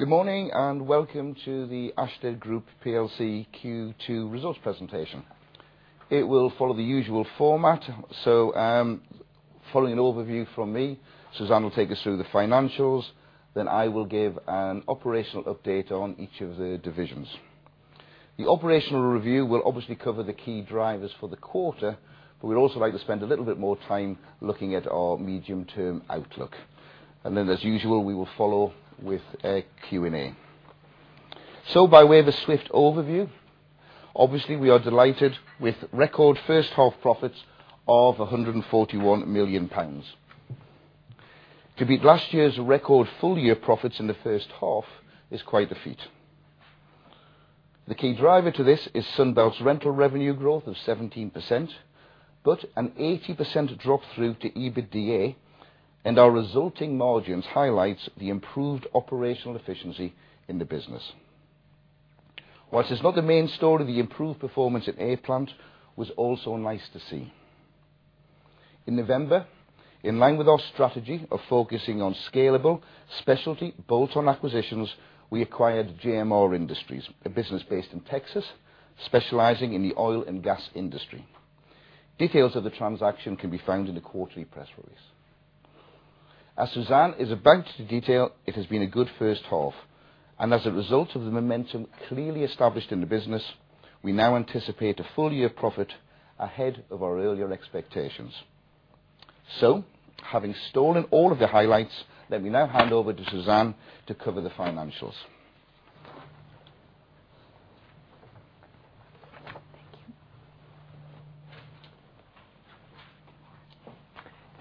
Good morning, welcome to the Ashtead Group PLC Q2 results presentation. It will follow the usual format. Following an overview from me, Suzanne will take us through the financials, then I will give an operational update on each of the divisions. The operational review will obviously cover the key drivers for the quarter, we'd also like to spend a little bit more time looking at our medium-term outlook. Then as usual, we will follow with a Q&A. By way of a swift overview, obviously, we are delighted with record first-half profits of 141 million pounds. To beat last year's record full-year profits in the first half is quite a feat. The key driver to this is Sunbelt's rental revenue growth of 17%, an 80% drop-through to EBITDA and our resulting margins highlights the improved operational efficiency in the business. Whilst it's not the main story, the improved performance at A-Plant was also nice to see. In November, in line with our strategy of focusing on scalable, specialty bolt-on acquisitions, we acquired JMR Industries, a business based in Texas specializing in the oil and gas industry. Details of the transaction can be found in the quarterly press release. As Suzanne is about to detail, it has been a good first half, as a result of the momentum clearly established in the business, we now anticipate a full year profit ahead of our earlier expectations. Having stolen all of the highlights, let me now hand over to Suzanne to cover the financials.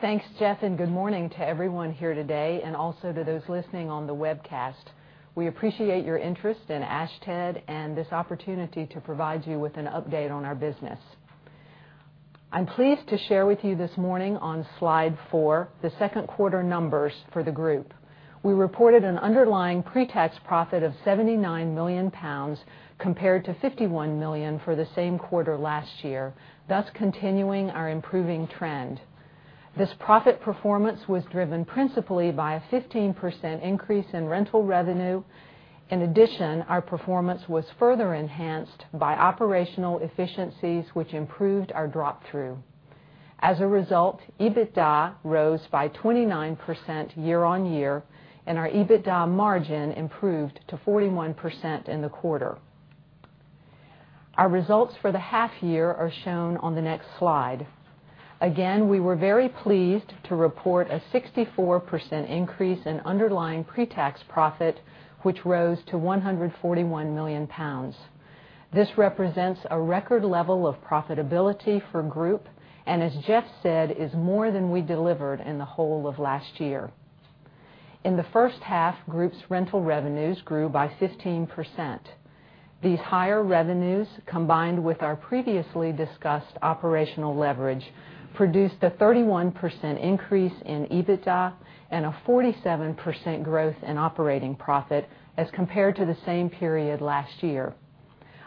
Thank you. Thanks, Geoff, and good morning to everyone here today and also to those listening on the webcast. We appreciate your interest in Ashtead and this opportunity to provide you with an update on our business. I'm pleased to share with you this morning on slide four the second quarter numbers for the group. We reported an underlying pre-tax profit of 79 million pounds compared to 51 million for the same quarter last year, thus continuing our improving trend. This profit performance was driven principally by a 15% increase in rental revenue. In addition, our performance was further enhanced by operational efficiencies, which improved our drop-through. As a result, EBITDA rose by 29% year-on-year, our EBITDA margin improved to 41% in the quarter. Our results for the half year are shown on the next slide. Again, we were very pleased to report a 64% increase in underlying pre-tax profit, which rose to 141 million pounds. This represents a record level of profitability for group, as Geoff said, is more than we delivered in the whole of last year. In the first half, group's rental revenues grew by 15%. These higher revenues, combined with our previously discussed operational leverage, produced a 31% increase in EBITDA and a 47% growth in operating profit as compared to the same period last year.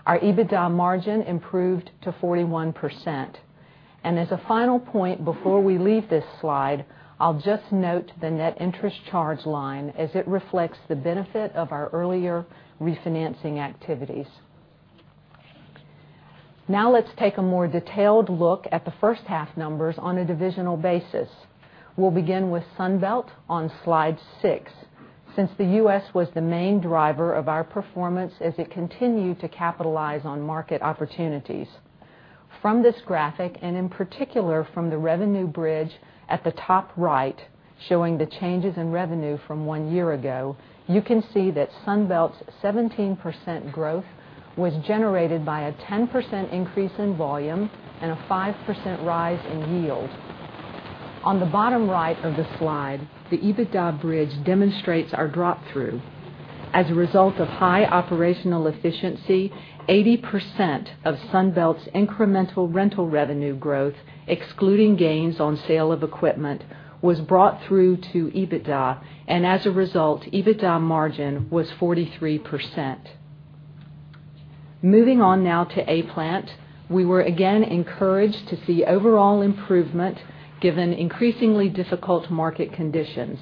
Our EBITDA margin improved to 41%. As a final point before we leave this slide, I'll just note the net interest charge line as it reflects the benefit of our earlier refinancing activities. Now let's take a more detailed look at the first half numbers on a divisional basis. We'll begin with Sunbelt on slide six. The U.S. was the main driver of our performance as it continued to capitalize on market opportunities. From this graphic, and in particular from the revenue bridge at the top right, showing the changes in revenue from one year ago, you can see that Sunbelt's 17% growth was generated by a 10% increase in volume and a 5% rise in yield. On the bottom right of the slide, the EBITDA bridge demonstrates our drop-through. As a result of high operational efficiency, 80% of Sunbelt's incremental rental revenue growth, excluding gains on sale of equipment, was brought through to EBITDA, and as a result, EBITDA margin was 43%. Moving on now to A-Plant. We were again encouraged to see overall improvement given increasingly difficult market conditions.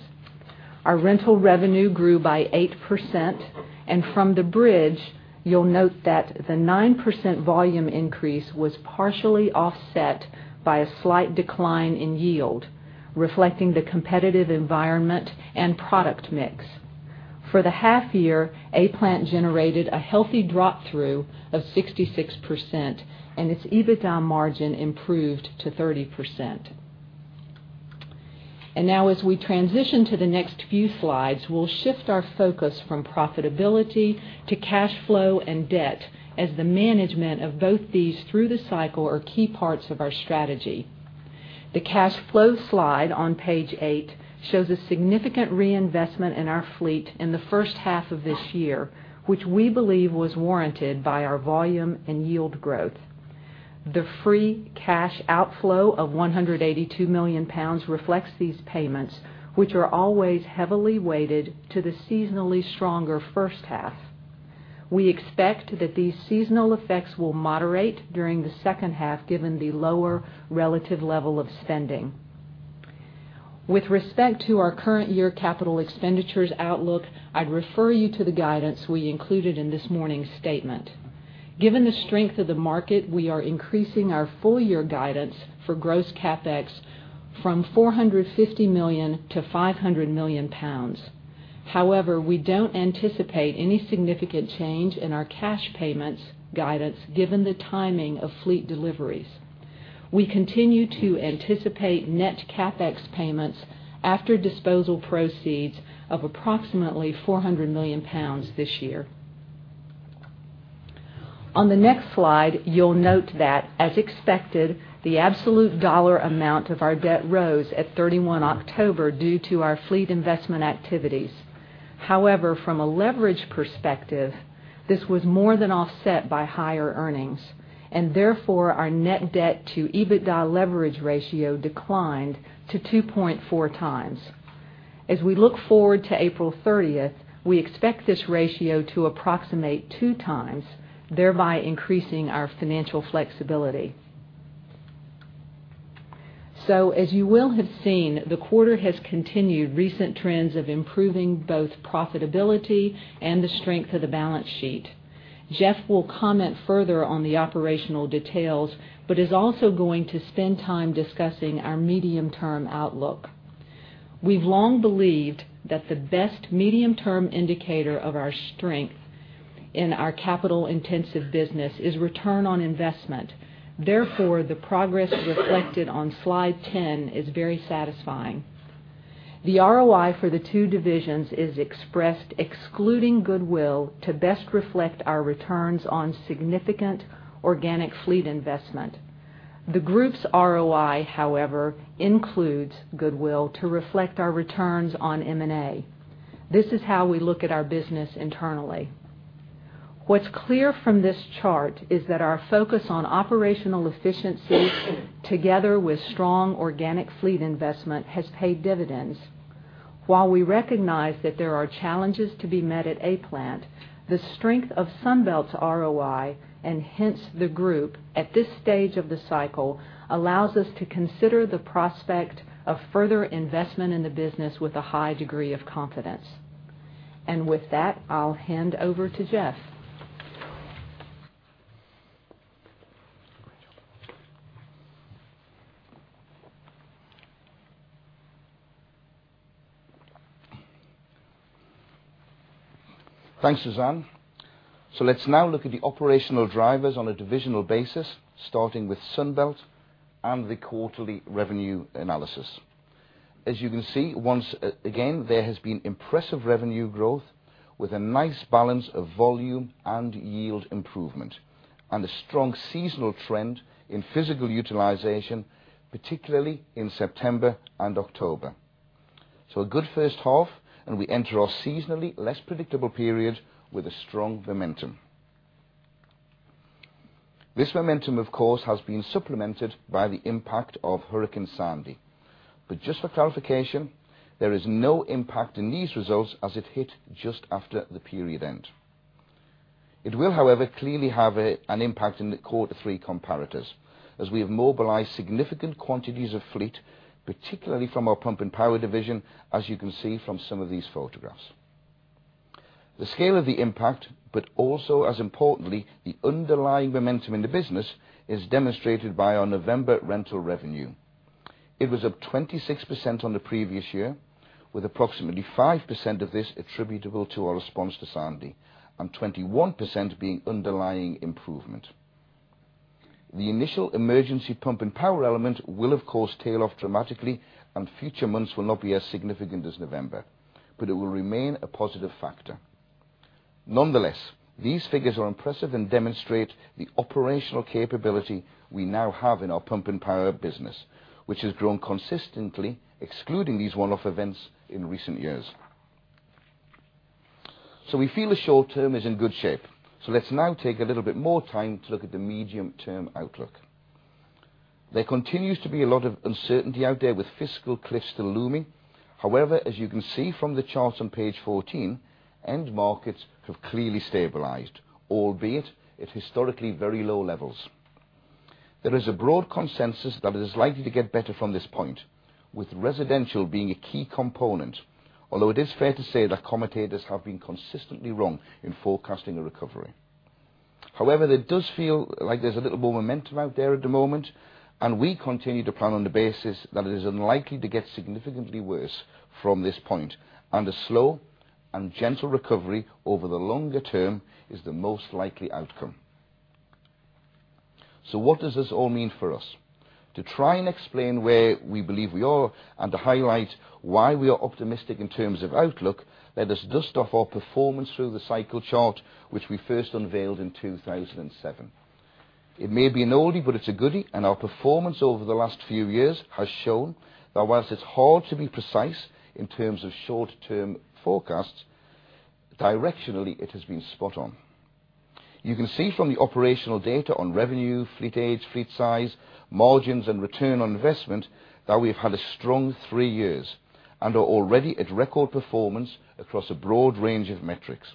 Our rental revenue grew by 8%. From the bridge, you'll note that the 9% volume increase was partially offset by a slight decline in yield, reflecting the competitive environment and product mix. For the half year, A-Plant generated a healthy drop-through of 66%, and its EBITDA margin improved to 30%. Now as we transition to the next few slides, we'll shift our focus from profitability to cash flow and debt as the management of both these through the cycle are key parts of our strategy. The cash flow slide on page eight shows a significant reinvestment in our fleet in the first half of this year, which we believe was warranted by our volume and yield growth. The free cash outflow of 182 million pounds reflects these payments, which are always heavily weighted to the seasonally stronger first half. We expect that these seasonal effects will moderate during the second half given the lower relative level of spending. With respect to our current year capital expenditures outlook, I'd refer you to the guidance we included in this morning's statement. Given the strength of the market, we are increasing our full year guidance for gross CapEx from 450 million to 500 million pounds. However, we don't anticipate any significant change in our cash payments guidance given the timing of fleet deliveries. We continue to anticipate net CapEx payments after disposal proceeds of approximately 400 million pounds this year. On the next slide, you'll note that as expected, the absolute dollar amount of our debt rose at 31 October due to our fleet investment activities. However, from a leverage perspective, this was more than offset by higher earnings, and therefore our net debt to EBITDA leverage ratio declined to 2.4 times. As we look forward to April 30th, we expect this ratio to approximate two times, thereby increasing our financial flexibility. As you will have seen, the quarter has continued recent trends of improving both profitability and the strength of the balance sheet. Geoff will comment further on the operational details, but is also going to spend time discussing our medium-term outlook. We've long believed that the best medium-term indicator of our strength in our capital intensive business is return on investment. Therefore, the progress reflected on slide 10 is very satisfying. The ROI for the two divisions is expressed excluding goodwill to best reflect our returns on significant organic fleet investment. The group's ROI, however, includes goodwill to reflect our returns on M&A. This is how we look at our business internally. What's clear from this chart is that our focus on operational efficiency together with strong organic fleet investment has paid dividends. While we recognize that there are challenges to be met at A-Plant, the strength of Sunbelt's ROI, and hence the group, at this stage of the cycle allows us to consider the prospect of further investment in the business with a high degree of confidence. With that, I'll hand over to Jeff. Thanks, Suzanne. Let's now look at the operational drivers on a divisional basis, starting with Sunbelt and the quarterly revenue analysis. As you can see, once again, there has been impressive revenue growth with a nice balance of volume and yield improvement, and a strong seasonal trend in physical utilization, particularly in September and October. A good first half, we enter our seasonally less predictable period with a strong momentum. This momentum, of course, has been supplemented by the impact of Hurricane Sandy. Just for clarification, there is no impact in these results as it hit just after the period end. It will, however, clearly have an impact in the quarter three comparators as we have mobilized significant quantities of fleet, particularly from our Pump & Power division, as you can see from some of these photographs. The scale of the impact, also as importantly, the underlying momentum in the business, is demonstrated by our November rental revenue. It was up 26% on the previous year, with approximately 5% of this attributable to our response to Sandy and 21% being underlying improvement. The initial emergency Pump & Power element will of course tail off dramatically, future months will not be as significant as November, but it will remain a positive factor. Nonetheless, these figures are impressive and demonstrate the operational capability we now have in our Pump & Power business, which has grown consistently, excluding these one-off events in recent years. We feel the short term is in good shape. Let's now take a little bit more time to look at the medium-term outlook. There continues to be a lot of uncertainty out there with fiscal cliffs still looming. As you can see from the charts on page 14, end markets have clearly stabilized, albeit at historically very low levels. There is a broad consensus that it is likely to get better from this point, with residential being a key component. It is fair to say that commentators have been consistently wrong in forecasting a recovery. It does feel like there's a little more momentum out there at the moment, we continue to plan on the basis that it is unlikely to get significantly worse from this point, a slow and gentle recovery over the longer term is the most likely outcome. What does this all mean for us? To try and explain where we believe we are and to highlight why we are optimistic in terms of outlook, let us dust off our performance through the cycle chart, which we first unveiled in 2007. It may be an oldie, but it's a goodie, and our performance over the last few years has shown that whilst it's hard to be precise in terms of short-term forecasts, directionally it has been spot on. You can see from the operational data on revenue, fleet age, fleet size, margins, and return on investment that we've had a strong three years and are already at record performance across a broad range of metrics.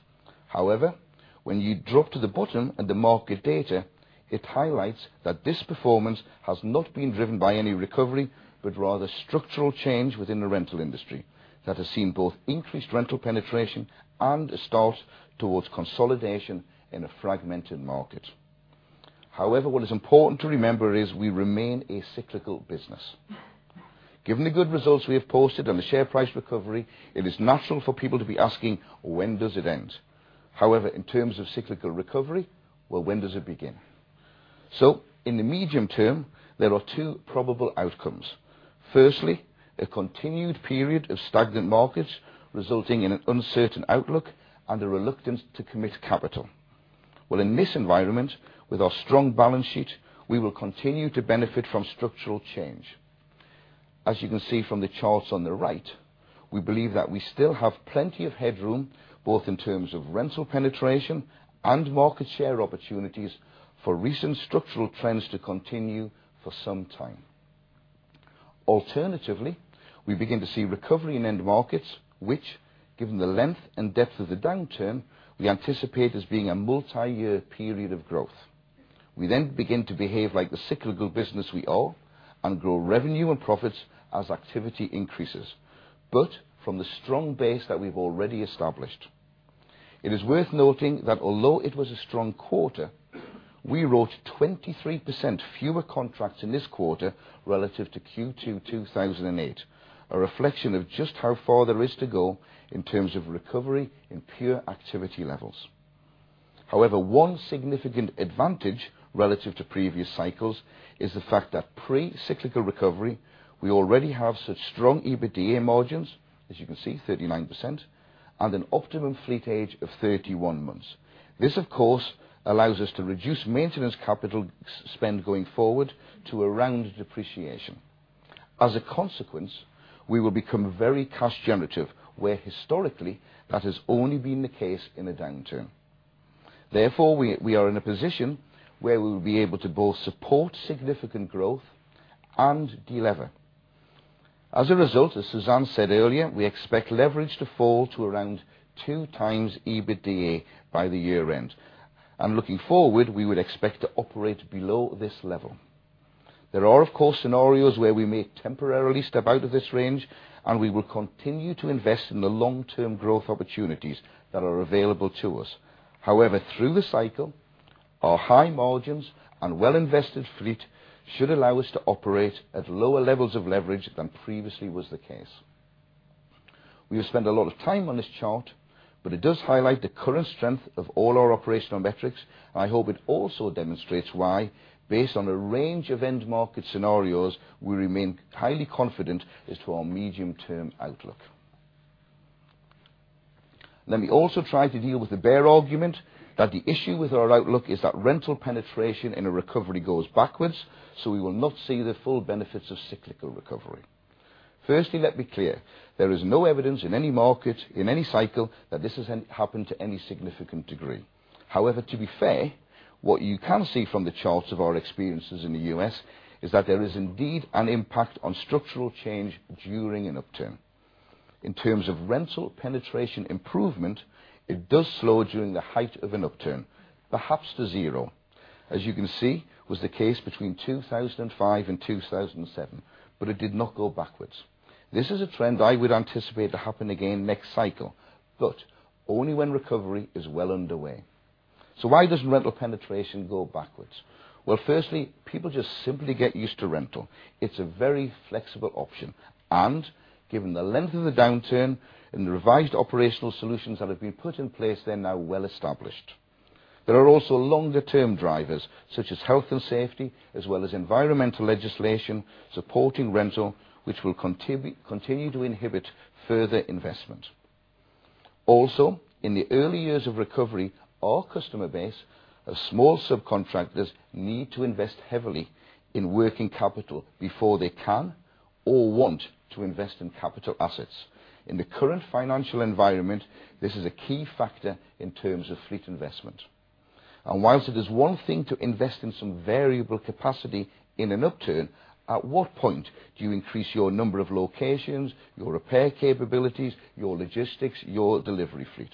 When you drop to the bottom at the market data, it highlights that this performance has not been driven by any recovery, but rather structural change within the rental industry that has seen both increased rental penetration and a start towards consolidation in a fragmented market. What is important to remember is we remain a cyclical business. Given the good results we have posted on the share price recovery, it is natural for people to be asking, when does it end? In terms of cyclical recovery, well, when does it begin? In the medium term, there are two probable outcomes. Firstly, a continued period of stagnant markets resulting in an uncertain outlook and a reluctance to commit capital. Well, in this environment, with our strong balance sheet, we will continue to benefit from structural change. As you can see from the charts on the right, we believe that we still have plenty of headroom, both in terms of rental penetration and market share opportunities, for recent structural trends to continue for some time. Alternatively, we begin to see recovery in end markets, which, given the length and depth of the downturn, we anticipate as being a multiyear period of growth. We then begin to behave like the cyclical business we are and grow revenue and profits as activity increases. From the strong base that we've already established. It is worth noting that although it was a strong quarter, we wrote 23% fewer contracts in this quarter relative to Q2 2008, a reflection of just how far there is to go in terms of recovery in pure activity levels. One significant advantage relative to previous cycles is the fact that pre-cyclical recovery, we already have such strong EBITDA margins, as you can see, 39%, and an optimum fleet age of 31 months. This, of course, allows us to reduce maintenance capital spend going forward to around depreciation. As a consequence, we will become very cash generative, where historically, that has only been the case in a downturn. Therefore, we are in a position where we will be able to both support significant growth and de-lever. As a result, as Suzanne said earlier, we expect leverage to fall to around two times EBITDA by the year-end. Looking forward, we would expect to operate below this level. There are, of course, scenarios where we may temporarily step out of this range, and we will continue to invest in the long-term growth opportunities that are available to us. Through the cycle, our high margins and well-invested fleet should allow us to operate at lower levels of leverage than previously was the case. We have spent a lot of time on this chart, but it does highlight the current strength of all our operational metrics. I hope it also demonstrates why, based on a range of end market scenarios, we remain highly confident as to our medium-term outlook. Let me also try to deal with the bear argument that the issue with our outlook is that rental penetration in a recovery goes backwards, so we will not see the full benefits of cyclical recovery. Firstly, let me be clear. There is no evidence in any market, in any cycle that this has happened to any significant degree. To be fair, what you can see from the charts of our experiences in the U.S. is that there is indeed an impact on structural change during an upturn. In terms of rental penetration improvement, it does slow during the height of an upturn, perhaps to zero, as you can see was the case between 2005 and 2007, but it did not go backwards. This is a trend I would anticipate to happen again next cycle, but only when recovery is well underway. Why doesn't rental penetration go backwards? Well, firstly, people just simply get used to rental. It's a very flexible option, and given the length of the downturn and the revised operational solutions that have been put in place, they're now well established. There are also longer-term drivers such as health and safety as well as environmental legislation supporting rental, which will continue to inhibit further investment. In the early years of recovery, our customer base of small subcontractors need to invest heavily in working capital before they can or want to invest in capital assets. In the current financial environment, this is a key factor in terms of fleet investment. Whilst it is one thing to invest in some variable capacity in an upturn, at what point do you increase your number of locations, your repair capabilities, your logistics, your delivery fleet?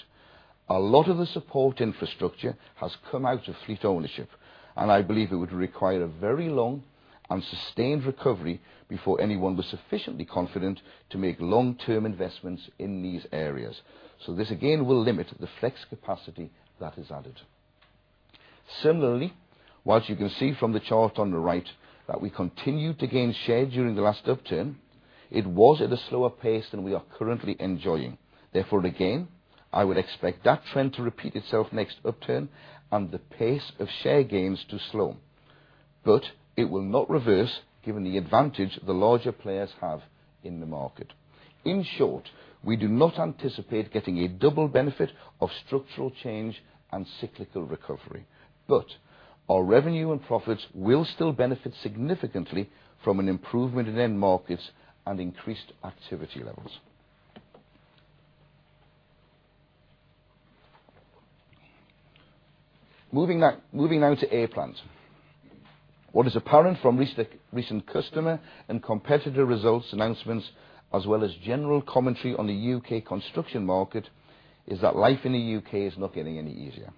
A lot of the support infrastructure has come out of fleet ownership, and I believe it would require a very long and sustained recovery before anyone was sufficiently confident to make long-term investments in these areas. This, again, will limit the flex capacity that is added. Similarly, whilst you can see from the chart on the right that we continued to gain share during the last upturn, it was at a slower pace than we are currently enjoying. Therefore, again, I would expect that trend to repeat itself next upturn and the pace of share gains to slow. It will not reverse given the advantage the larger players have in the market. In short, we do not anticipate getting a double benefit of structural change and cyclical recovery. Our revenue and profits will still benefit significantly from an improvement in end markets and increased activity levels. Moving now to A-Plant. What is apparent from recent customer and competitor results announcements, as well as general commentary on the U.K. construction market, is that life in the U.K. is not getting any easier.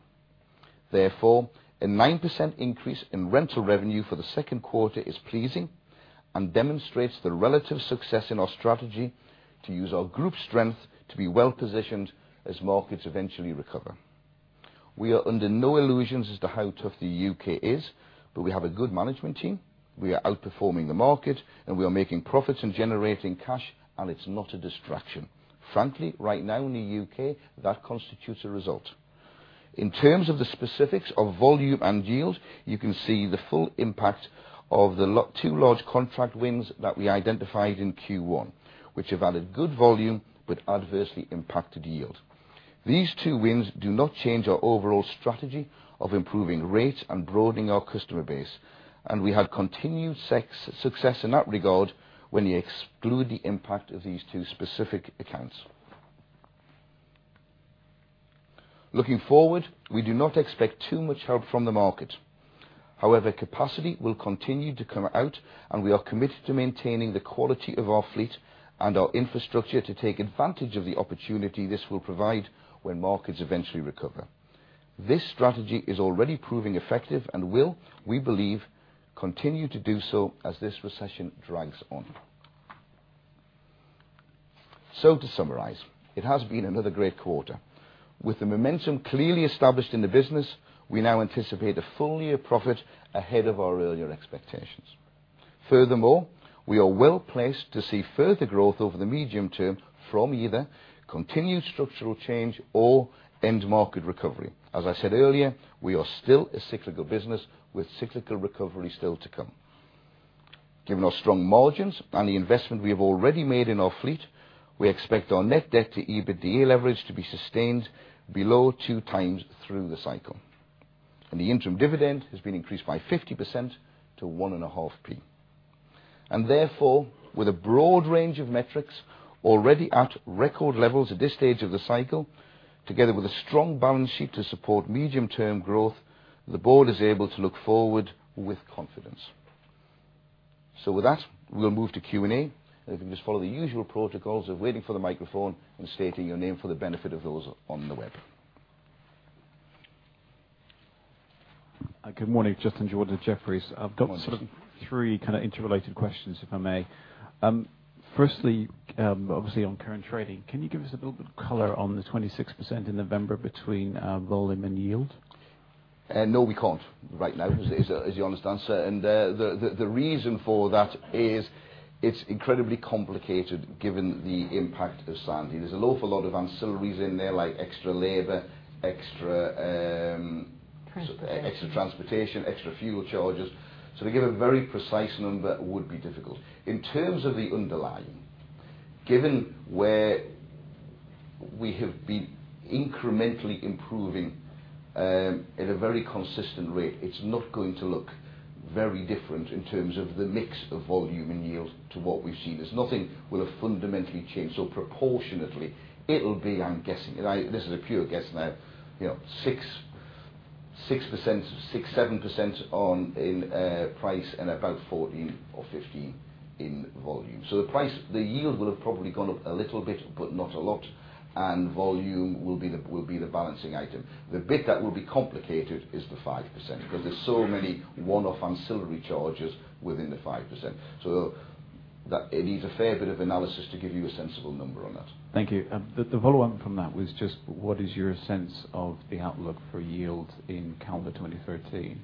Therefore, a 9% increase in rental revenue for the second quarter is pleasing and demonstrates the relative success in our strategy to use our group strength to be well-positioned as markets eventually recover. We are under no illusions as to how tough the U.K. is, but we have a good management team. We are outperforming the market, we are making profits and generating cash, it's not a distraction. Frankly, right now in the U.K., that constitutes a result. In terms of the specifics of volume and yield, you can see the full impact of the two large contract wins that we identified in Q1, which have added good volume but adversely impacted yield. These two wins do not change our overall strategy of improving rates and broadening our customer base, we had continued success in that regard when you exclude the impact of these two specific accounts. Looking forward, we do not expect too much help from the market. However, capacity will continue to come out, we are committed to maintaining the quality of our fleet and our infrastructure to take advantage of the opportunity this will provide when markets eventually recover. This strategy is already proving effective and will, we believe, continue to do so as this recession drags on. To summarize, it has been another great quarter. With the momentum clearly established in the business, we now anticipate a full year profit ahead of our earlier expectations. Furthermore, we are well-placed to see further growth over the medium term from either continued structural change or end market recovery. As I said earlier, we are still a cyclical business with cyclical recovery still to come. Given our strong margins and the investment we have already made in our fleet, we expect our net debt to EBITDA leverage to be sustained below two times through the cycle. The interim dividend has been increased by 50% to one and a half p. Therefore, with a broad range of metrics already at record levels at this stage of the cycle, together with a strong balance sheet to support medium-term growth, the board is able to look forward with confidence. With that, we'll move to Q&A, if you can just follow the usual protocols of waiting for the microphone and stating your name for the benefit of those on the web. Good morning. Justin Jordan at Jefferies. Good morning. I've got sort of three kind of interrelated questions, if I may. Firstly, obviously on current trading. Can you give us a little bit of color on the 26% in November between volume and yield? No, we can't right now is the honest answer. The reason for that is it's incredibly complicated given the impact of Sandy. There's an awful lot of ancillaries in there, like extra labor, extra transportation, extra fuel charges. To give a very precise number would be difficult. In terms of the underlying, given where we have been incrementally improving at a very consistent rate, it's not going to look very different in terms of the mix of volume and yield to what we've seen. There's nothing will have fundamentally changed. Proportionately, it'll be, I'm guessing, and this is a pure guess now, 6%, 6%, 7% on in price and about 14 or 15 in volume. The yield will have probably gone up a little bit, but not a lot, and volume will be the balancing item. The bit that will be complicated is the 5%, because there's so many one-off ancillary charges within the 5%. It needs a fair bit of analysis to give you a sensible number on that. Thank you. The follow-on from that was just what is your sense of the outlook for yield in calendar 2013?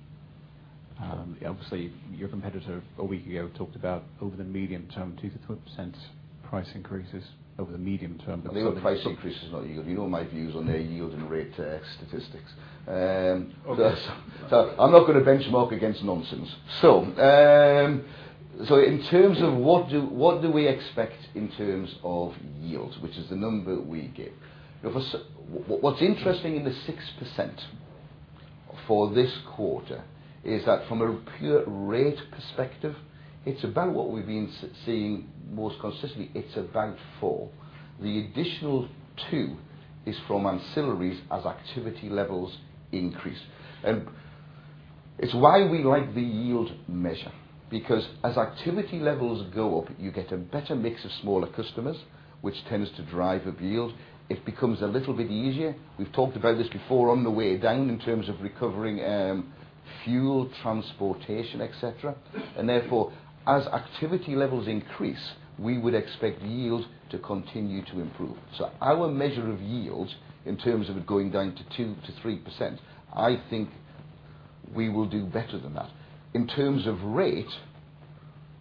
Obviously, your competitor a week ago talked about over the medium term, 2%-3% price increases over the medium term. No, price increases, not yield. You know my views on their yield and rate statistics. Okay. I'm not going to benchmark against nonsense. In terms of what do we expect in terms of yields, which is the number we give. What's interesting in the 6% for this quarter is that from a pure rate perspective, it's about what we've been seeing most consistently. It's about four. The additional two is from ancillaries as activity levels increase. It's why we like the yield measure because as activity levels go up, you get a better mix of smaller customers, which tends to drive up yield. It becomes a little bit easier. We've talked about this before on the way down in terms of recovering fuel, transportation, et cetera. Therefore, as activity levels increase, we would expect yields to continue to improve. Our measure of yields in terms of it going down to 2%-3%, I think we will do better than that. In terms of rate,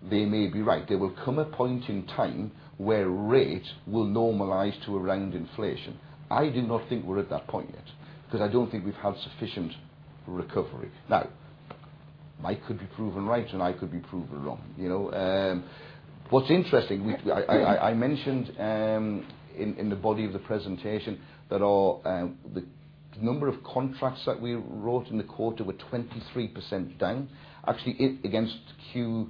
they may be right. There will come a point in time where rates will normalize to around inflation. I do not think we're at that point yet, because I don't think we've had sufficient recovery. Now, I could be proven right, and I could be proven wrong. What's interesting, I mentioned in the body of the presentation that the number of contracts that we wrote in the quarter were 23% down, actually against Q2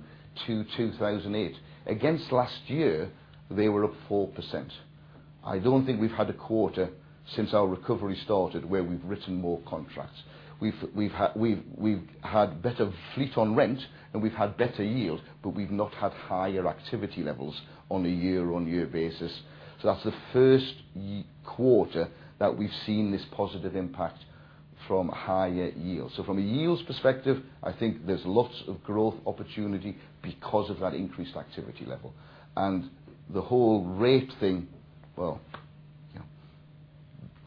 2008. Against last year, they were up 4%. I don't think we've had a quarter since our recovery started where we've written more contracts. We've had better fleet on rent, and we've had better yield, but we've not had higher activity levels on a year-on-year basis. That's the first quarter that we've seen this positive impact from higher yield. From a yields perspective, I think there's lots of growth opportunity because of that increased activity level. The whole rate thing, well,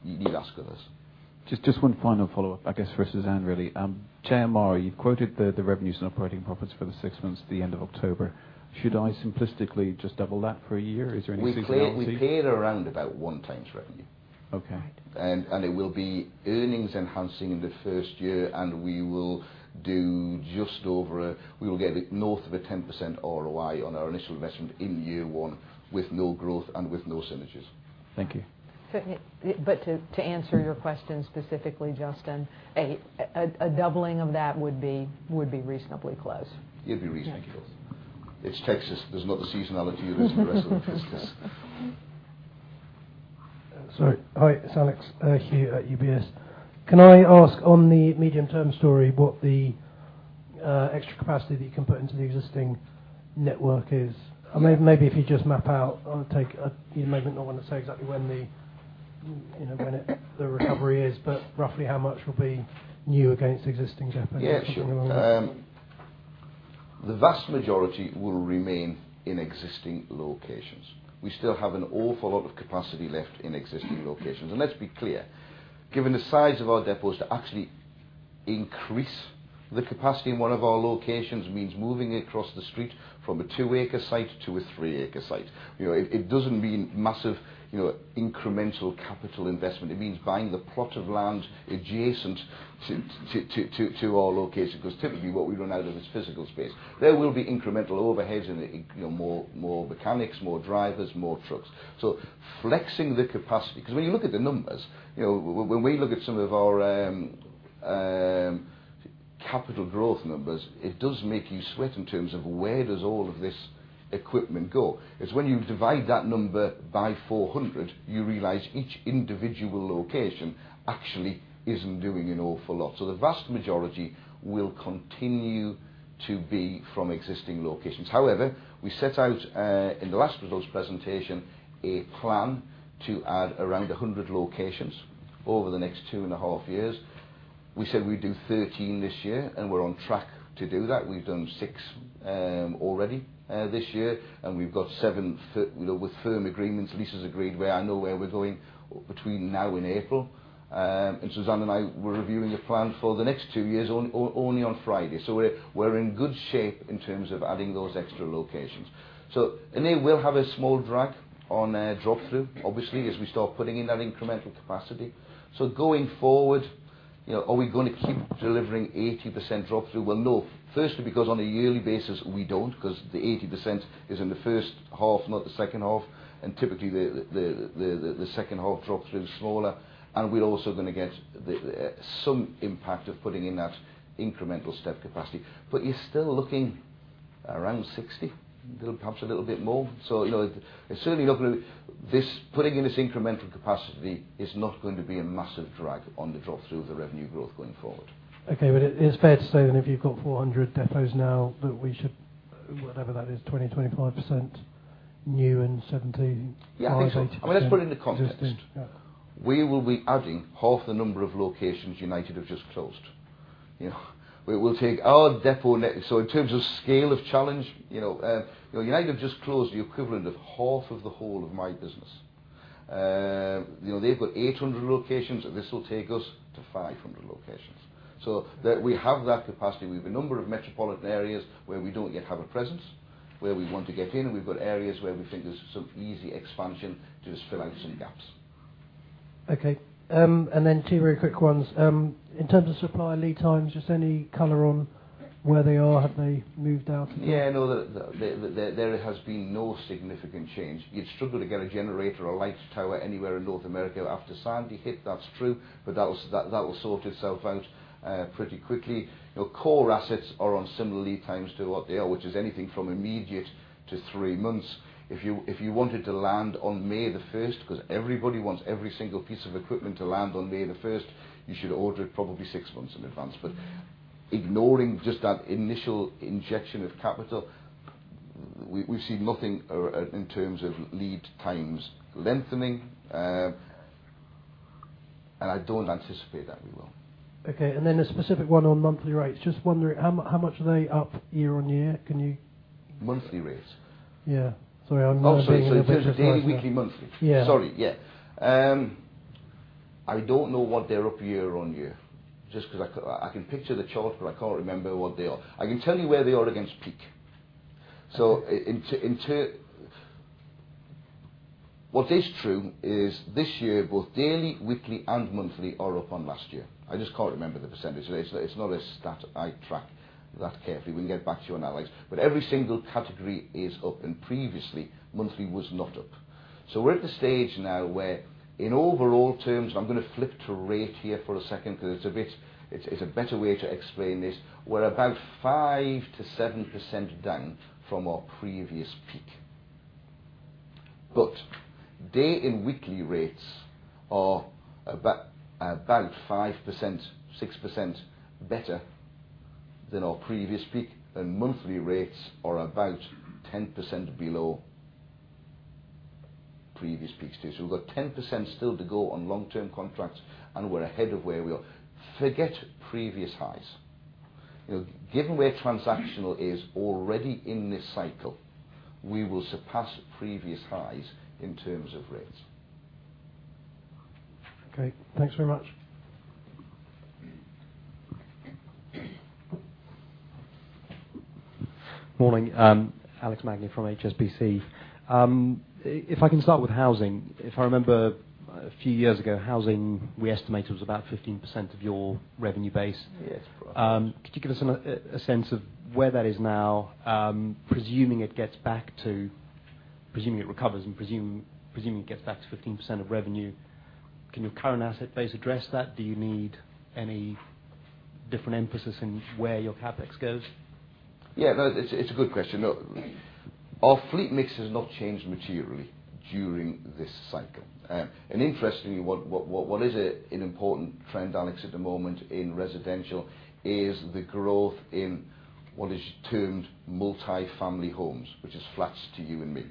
you need to ask her this. Just one final follow-up, I guess for Suzanne, really. JMR Industries, you've quoted the revenues and operating profits for the six months to the end of October. Should I simplistically just double that for a year? Is there any seasonality? We play it around about one times revenue. Okay. It will be earnings enhancing in the first year, and we will get north of a 10% ROI on our initial investment in year one with no growth and with no synergies. Thank you. To answer your question specifically, Justin, a doubling of that would be reasonably close. It'd be reasonably close. It's Texas. There's a lot of seasonality as in the rest of the business. Sorry. Hi, it's Alexander Hugh at UBS. Can I ask on the medium-term story what the extra capacity that you can put into the existing network is? Maybe if you just map out, you maybe not want to say exactly when the recovery is, but roughly how much will be new against existing depots? Yeah, sure. The vast majority will remain in existing locations. We still have an awful lot of capacity left in existing locations. Let's be clear, given the size of our depots to actually increase the capacity in one of our locations means moving across the street from a two-acre site to a three-acre site. It doesn't mean massive incremental capital investment. It means buying the plot of land adjacent to our location because typically what we run out of is physical space. There will be incremental overheads in it, more mechanics, more drivers, more trucks. Flexing the capacity. When you look at the numbers, when we look at some of our capital growth numbers, it does make you sweat in terms of where does all of this equipment go. It's when you divide that number by 400, you realize each individual location actually isn't doing an awful lot. The vast majority will continue to be from existing locations. However, we set out, in the last results presentation, a plan to add around 100 locations over the next two and a half years. We said we'd do 13 this year, and we're on track to do that. We've done six already this year, and we've got seven with firm agreements, leases agreed where I know where we're going between now and April. Suzanne and I were reviewing the plan for the next two years only on Friday. We're in good shape in terms of adding those extra locations. They will have a small drag on drop-through, obviously, as we start putting in that incremental capacity. Going forward, are we going to keep delivering 80% drop-through? Well, no. Firstly, because on a yearly basis we don't because the 80% is in the first half, not the second half. Typically, the second half drop-through is smaller. We're also going to get some impact of putting in that incremental step capacity. You're still looking around 60%, perhaps a little bit more. Putting in this incremental capacity is not going to be a massive drag on the drop-through of the revenue growth going forward. Okay. It is fair to say that if you've got 400 depots now, that we should, whatever that is, 20%-25% new and 75%-80% existing. Let's put it in the context. Yeah. We will be adding half the number of locations United have just closed. United have just closed the equivalent of half of the whole of my business. They've got 800 locations, and this will take us to 500 locations. We have that capacity. We have a number of metropolitan areas where we don't yet have a presence, where we want to get in, and we've got areas where we think there's some easy expansion to just fill out some gaps. Okay. Two very quick ones. In terms of supply lead times, just any color on where they are? Have they moved out? Yeah, no, there has been no significant change. You'd struggle to get a generator or a light tower anywhere in North America after Sandy hit, that's true, but that will sort itself out pretty quickly. Core assets are on similar lead times to what they are, which is anything from immediate to three months. If you wanted to land on May the 1st because everybody wants every single piece of equipment to land on May the 1st, you should order it probably six months in advance. Ignoring just that initial injection of capital, we've seen nothing in terms of lead times lengthening, and I don't anticipate that we will. Okay. A specific one on monthly rates. Just wondering how much are they up year-over-year? Can you? Monthly rates? Yeah. Sorry, I'm being a little bit. Oh, daily, weekly, monthly. Yeah. Sorry. Yeah. I don't know what they're up year-over-year just because I can picture the chart, but I can't remember what they are. I can tell you where they are against peak. What is true is this year both daily, weekly, and monthly are up on last year. I just can't remember the percentage rate. It's not a stat I track that carefully. We can get back to you on that, Alex. Every single category is up, and previously monthly was not up. We're at the stage now where in overall terms, I'm going to flip to rate here for a second because it's a better way to explain this. We're about 5%-7% down from our previous peak. Day and weekly rates are about 5%-6% better than our previous peak, and monthly rates are about 10% below previous peak. We've got 10% still to go on long-term contracts, and we're ahead of where we were. Forget previous highs. Given where transactional is already in this cycle, we will surpass previous highs in terms of rates. Okay. Thanks very much. Morning. Alex Magnus from HSBC. If I can start with housing. If I remember a few years ago, housing, we estimated, was about 15% of your revenue base. Yes. Could you give us a sense of where that is now? Presuming it recovers and presuming it gets back to 15% of revenue, can your current asset base address that? Do you need any different emphasis in where your CapEx goes? Yeah. No, it's a good question. No. Our fleet mix has not changed materially during this cycle. Interestingly, what is an important trend, Alex, at the moment in residential is the growth in what is termed multifamily homes, which is flats to you and me.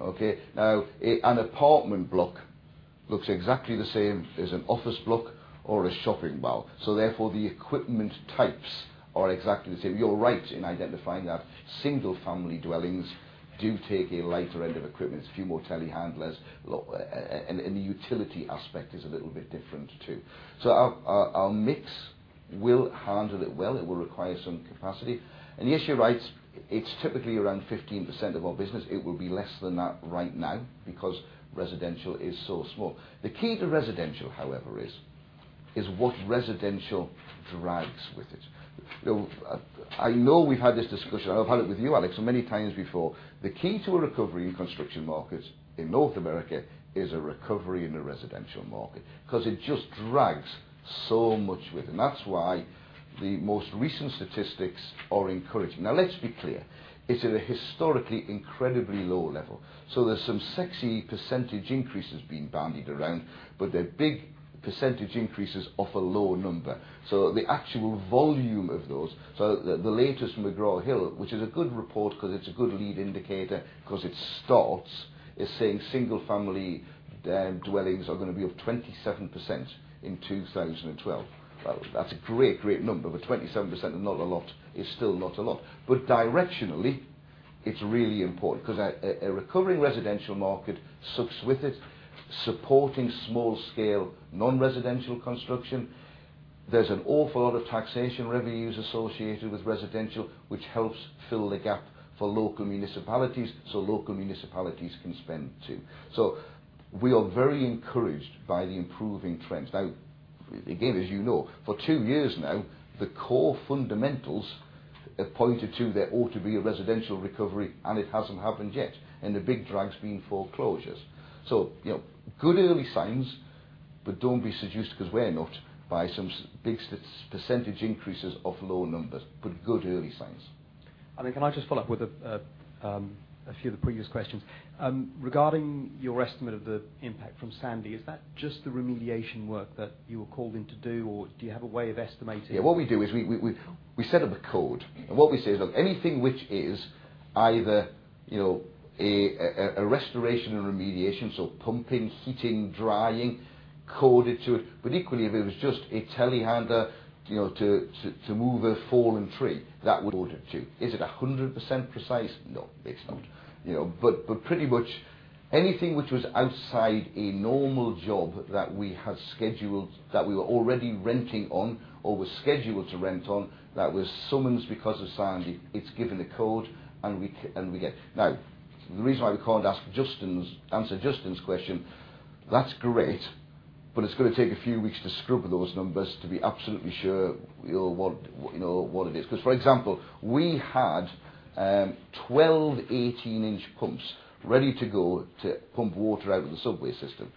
Okay? An apartment block looks exactly the same as an office block or a shopping mall, so therefore, the equipment types are exactly the same. You're right in identifying that single-family dwellings do take a lighter end of equipment. It's a few more telehandlers, and the utility aspect is a little bit different, too. Our mix will handle it well. It will require some capacity. Yes, you're right. It's typically around 15% of our business. It will be less than that right now because residential is so small. The key to residential, however, is what residential drags with it. I know we've had this discussion. I've had it with you, Alex, many times before. The key to a recovery in construction markets in North America is a recovery in the residential market because it just drags so much with it. That's why the most recent statistics are encouraging. Now, let's be clear. It's at a historically incredibly low level. There's some sexy percentage increases being bandied around, they're big percentage increases off a low number. The actual volume of those. The latest from McGraw Hill, which is a good report because it's a good lead indicator because it starts is saying single-family dwellings are going to be up 27% in 2012. That's a great number, but 27% is still not a lot. Directionally, it's really important because a recovering residential market sucks with it, supporting small scale, non-residential construction. There's an awful lot of taxation revenues associated with residential, which helps fill the gap for local municipalities, so local municipalities can spend, too. We are very encouraged by the improving trends. Now, again, as you know, for two years now, the core fundamentals have pointed to there ought to be a residential recovery, and it hasn't happened yet, and the big drag's been foreclosures. Good early signs, don't be seduced because we're not by some big percentage increases off low numbers. Good early signs. Can I just follow up with a few of the previous questions? Regarding your estimate of the impact from Sandy, is that just the remediation work that you were called in to do, or do you have a way of estimating? Yeah. What we do is we set up a code. What we say is, look, anything which is either a restoration and remediation, so pumping, heating, drying, coded to it. Equally, if it was just a telehandler to move a fallen tree, that we code it, too. Is it 100% precise? No, it's not. Pretty much anything which was outside a normal job that we had scheduled, that we were already renting on or were scheduled to rent on, that was summons because of Sandy, it's given a code and we get The reason why we can't answer Justin's question, that's great, but it's going to take a few weeks to scrub those numbers to be absolutely sure what it is. Because, for example, we had 12 18-inch pumps ready to go to pump water out of the subway system.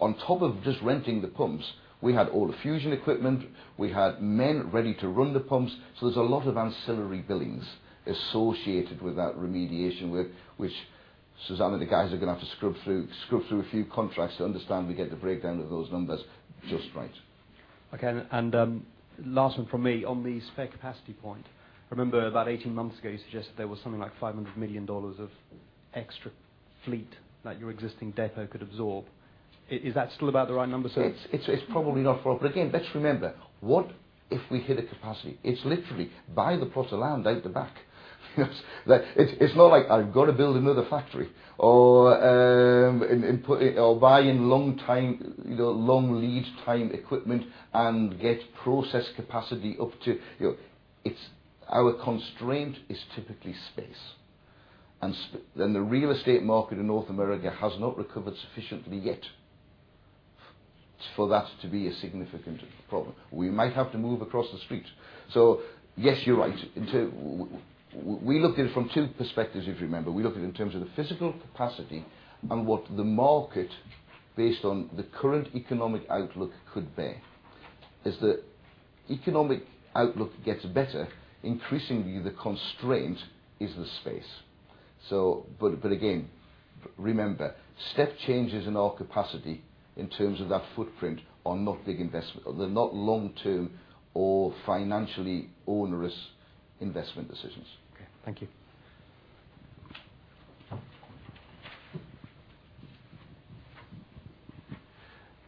On top of just renting the pumps, we had all the fusion equipment. We had men ready to run the pumps. There's a lot of ancillary billings associated with that remediation work, which Suzanne, the guys are going to have to scrub through a few contracts to understand we get the breakdown of those numbers just right. Okay. Last one from me. On the spare capacity point, I remember about 18 months ago, you suggested there was something like GBP 500 million of extra fleet that your existing depot could absorb. Is that still about the right number? It's probably not far, again, let's remember, what if we hit a capacity? It's literally buy the plot of land out the back. It's not like I've got to build another factory or buy in long lead time equipment and get process capacity up to. Our constraint is typically space. The real estate market in North America has not recovered sufficiently yet for that to be a significant problem. We might have to move across the street. Yes, you're right. We look at it from two perspectives, if you remember. We look at it in terms of the physical capacity and what the market based on the current economic outlook could bear. As the economic outlook gets better, increasingly the constraint is the space. Again, remember, step changes in our capacity in terms of that footprint are not big investment. They're not long-term or financially onerous investment decisions. Okay. Thank you.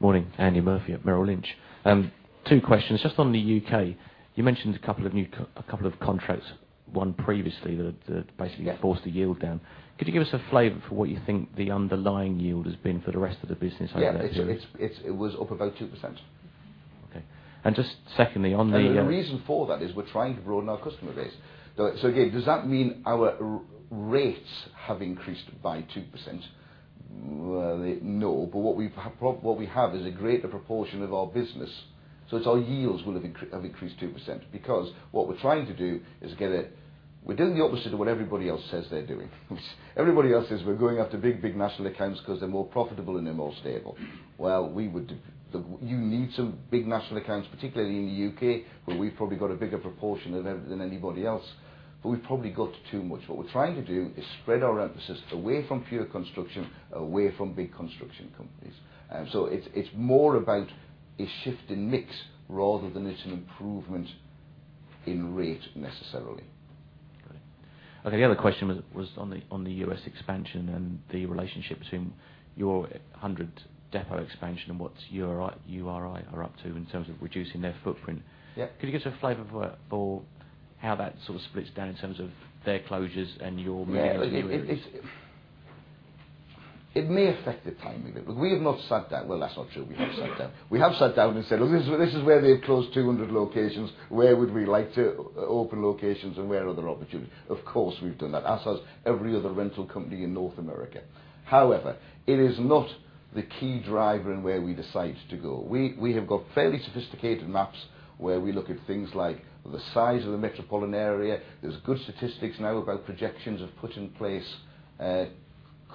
Morning. Andy Murphy at Merrill Lynch. Two questions. Just on the U.K., you mentioned a couple of contracts, one previously that. Yeah forced the yield down. Could you give us a flavor for what you think the underlying yield has been for the rest of the business other than. Yeah. It was up about 2%. Okay. Just secondly, on the. The reason for that is we're trying to broaden our customer base. Again, does that mean our rates have increased by 2%? Well, no. What we have is a greater proportion of our business. Our yields will have increased 2%, because what we're trying to do is We're doing the opposite of what everybody else says they're doing. Everybody else says we're going after big national accounts because they're more profitable and they're more stable. Well, you need some big national accounts, particularly in the U.K., where we've probably got a bigger proportion of them than anybody else. We've probably got too much. What we're trying to do is spread our emphasis away from pure construction, away from big construction companies. It's more about a shift in mix rather than it's an improvement in rate necessarily. Got it. Okay, the other question was on the U.S. expansion and the relationship between your 100 depot expansion and what URI are up to in terms of reducing their footprint. Yeah. Could you give us a flavor for how that sort of splits down in terms of their closures and your moving into new areas? Yeah. It may affect the timing a bit. We have not sat down. Well, that's not true. We have sat down. We have sat down and said, "Look, this is where they've closed 200 locations. Where would we like to open locations, and where are there opportunities?" Of course, we've done that, as has every other rental company in North America. However, it is not the key driver in where we decide to go. We have got fairly sophisticated maps where we look at things like the size of the metropolitan area. There's good statistics now about projections of put in place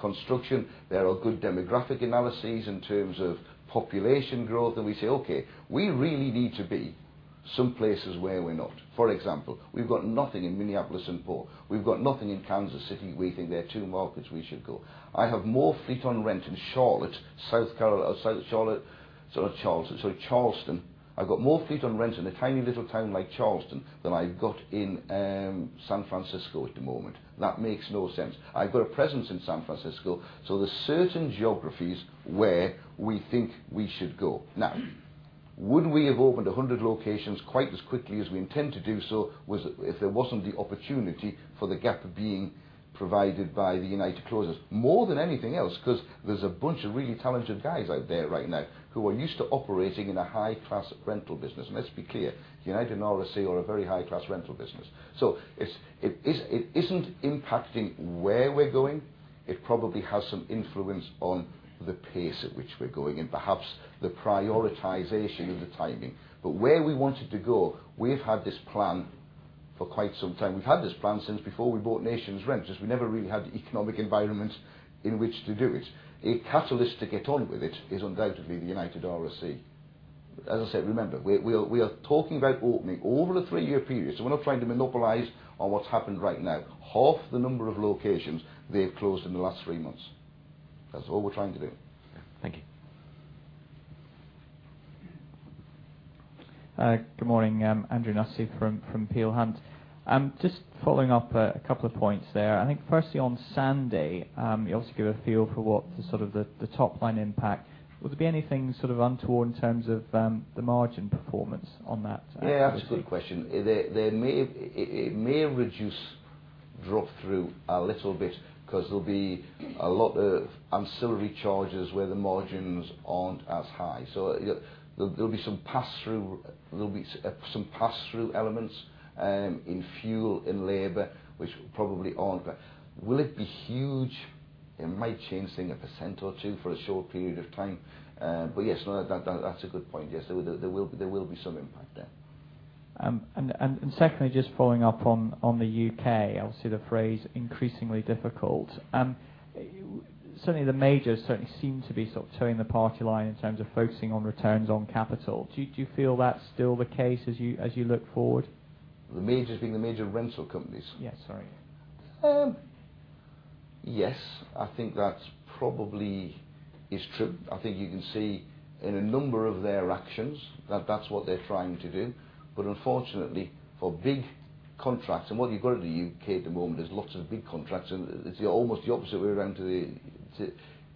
construction. There are good demographic analyses in terms of population growth, and we say, "Okay, we really need to be some places where we're not." For example, we've got nothing in Minneapolis and St. Paul. We've got nothing in Kansas City. We think they're two markets we should go. I have more fleet on rent in Charlotte, South Carolina. Sorry, Charleston. I've got more fleet on rent in a tiny little town like Charleston than I've got in San Francisco at the moment. That makes no sense. I've got a presence in San Francisco. There's certain geographies where we think we should go. Now, would we have opened 100 locations quite as quickly as we intend to do so if there wasn't the opportunity for the gap being provided by the United closures? More than anything else, because there's a bunch of really talented guys out there right now who are used to operating in a high-class rental business. Let's be clear, United ARC are a very high-class rental business. It isn't impacting where we're going. It probably has some influence on the pace at which we're going and perhaps the prioritization and the timing. Where we wanted to go, we've had this plan for quite some time. We've had this plan since before we bought NationsRent. We never really had the economic environment in which to do it. A catalyst to get on with it is undoubtedly the United Rentals. As I said, remember, we are talking about opening over the three-year period. We're not trying to monopolize on what's happened right now. Half the number of locations they've closed in the last three months. That's all we're trying to do. Thank you. Hi. Good morning. Andrew Nussey from Peel Hunt. Just following up a couple of points there. I think firstly on Sandy, you also give a feel for what the sort of the top line impact. Will there be anything sort of untoward in terms of the margin performance on that activity? Yeah, that's a good question. It may reduce drop-through a little bit because there'll be a lot of ancillary charges where the margins aren't as high. There'll be some pass-through elements in fuel, in labor. Will it be huge? It might change, say, a percent or two for a short period of time. Yes, no, that's a good point. Yes, there will be some impact there. Secondly, just following up on the U.K. Obviously, the phrase increasingly difficult. Certainly, the majors certainly seem to be sort of toeing the party line in terms of focusing on returns on capital. Do you feel that's still the case as you look forward? The majors being the major rental companies? Yes. Sorry. Yes. I think that probably is true. I think you can see in a number of their actions that that's what they're trying to do. Unfortunately, for big contracts, and what you've got in the U.K. at the moment is lots of big contracts, and it's almost the opposite way around.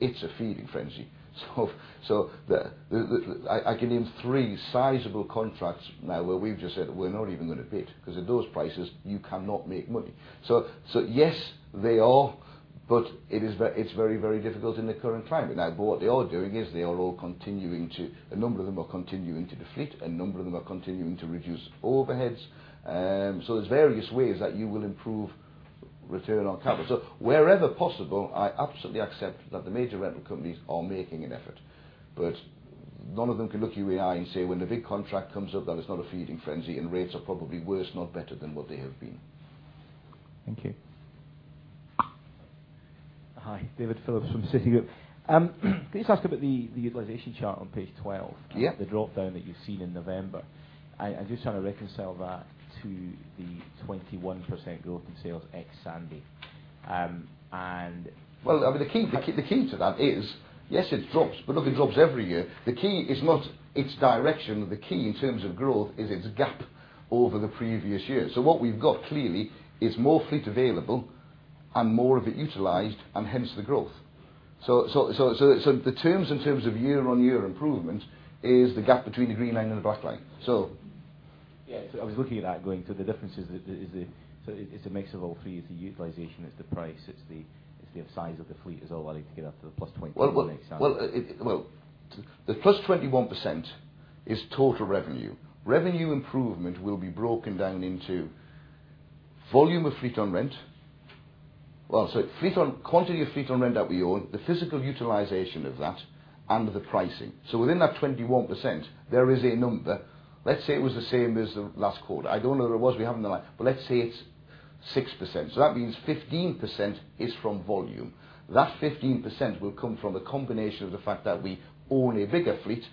It's a feeding frenzy. I can name three sizable contracts now where we've just said we're not even going to bid because at those prices you cannot make money. Yes, they are, but it's very, very difficult in the current climate. Now, what they are doing is they are all continuing to A number of them are continuing to de-fleet. A number of them are continuing to reduce overheads. There's various ways that you will improve return on capital. Wherever possible, I absolutely accept that the major rental companies are making an effort. None of them can look you in the eye and say when the big contract comes up, that it's not a feeding frenzy, and rates are probably worse, not better than what they have been. Thank you. Hi, David Phillips from Citigroup. Can I just ask about the utilization chart on page 12? Yeah. The drop-down that you've seen in November, I'm just trying to reconcile that to the 21% growth in sales ex Hurricane Sandy. Well, the key to that is, yes, it drops, but look, it drops every year. The key is not its direction. The key in terms of growth is its gap over the previous year. What we've got clearly is more fleet available and more of it utilized, and hence the growth. The terms in terms of year-over-year improvement is the gap between the green line and the black line. Yeah. I was looking at that going through the differences. It's a mix of all three. It's the utilization, it's the price, it's the size of the fleet is all adding to get up to the +20% ex Hurricane Sandy. Well, the +21% is total revenue. Revenue improvement will be broken down into volume of fleet on rent. Quantity of fleet on rent that we own, the physical utilization of that, and the pricing. Within that 21%, there is a number, let's say it was the same as the last quarter. I don't know what it was. Let's say it's 6%. That means 15% is from volume. That 15% will come from a combination of the fact that we own a bigger fleet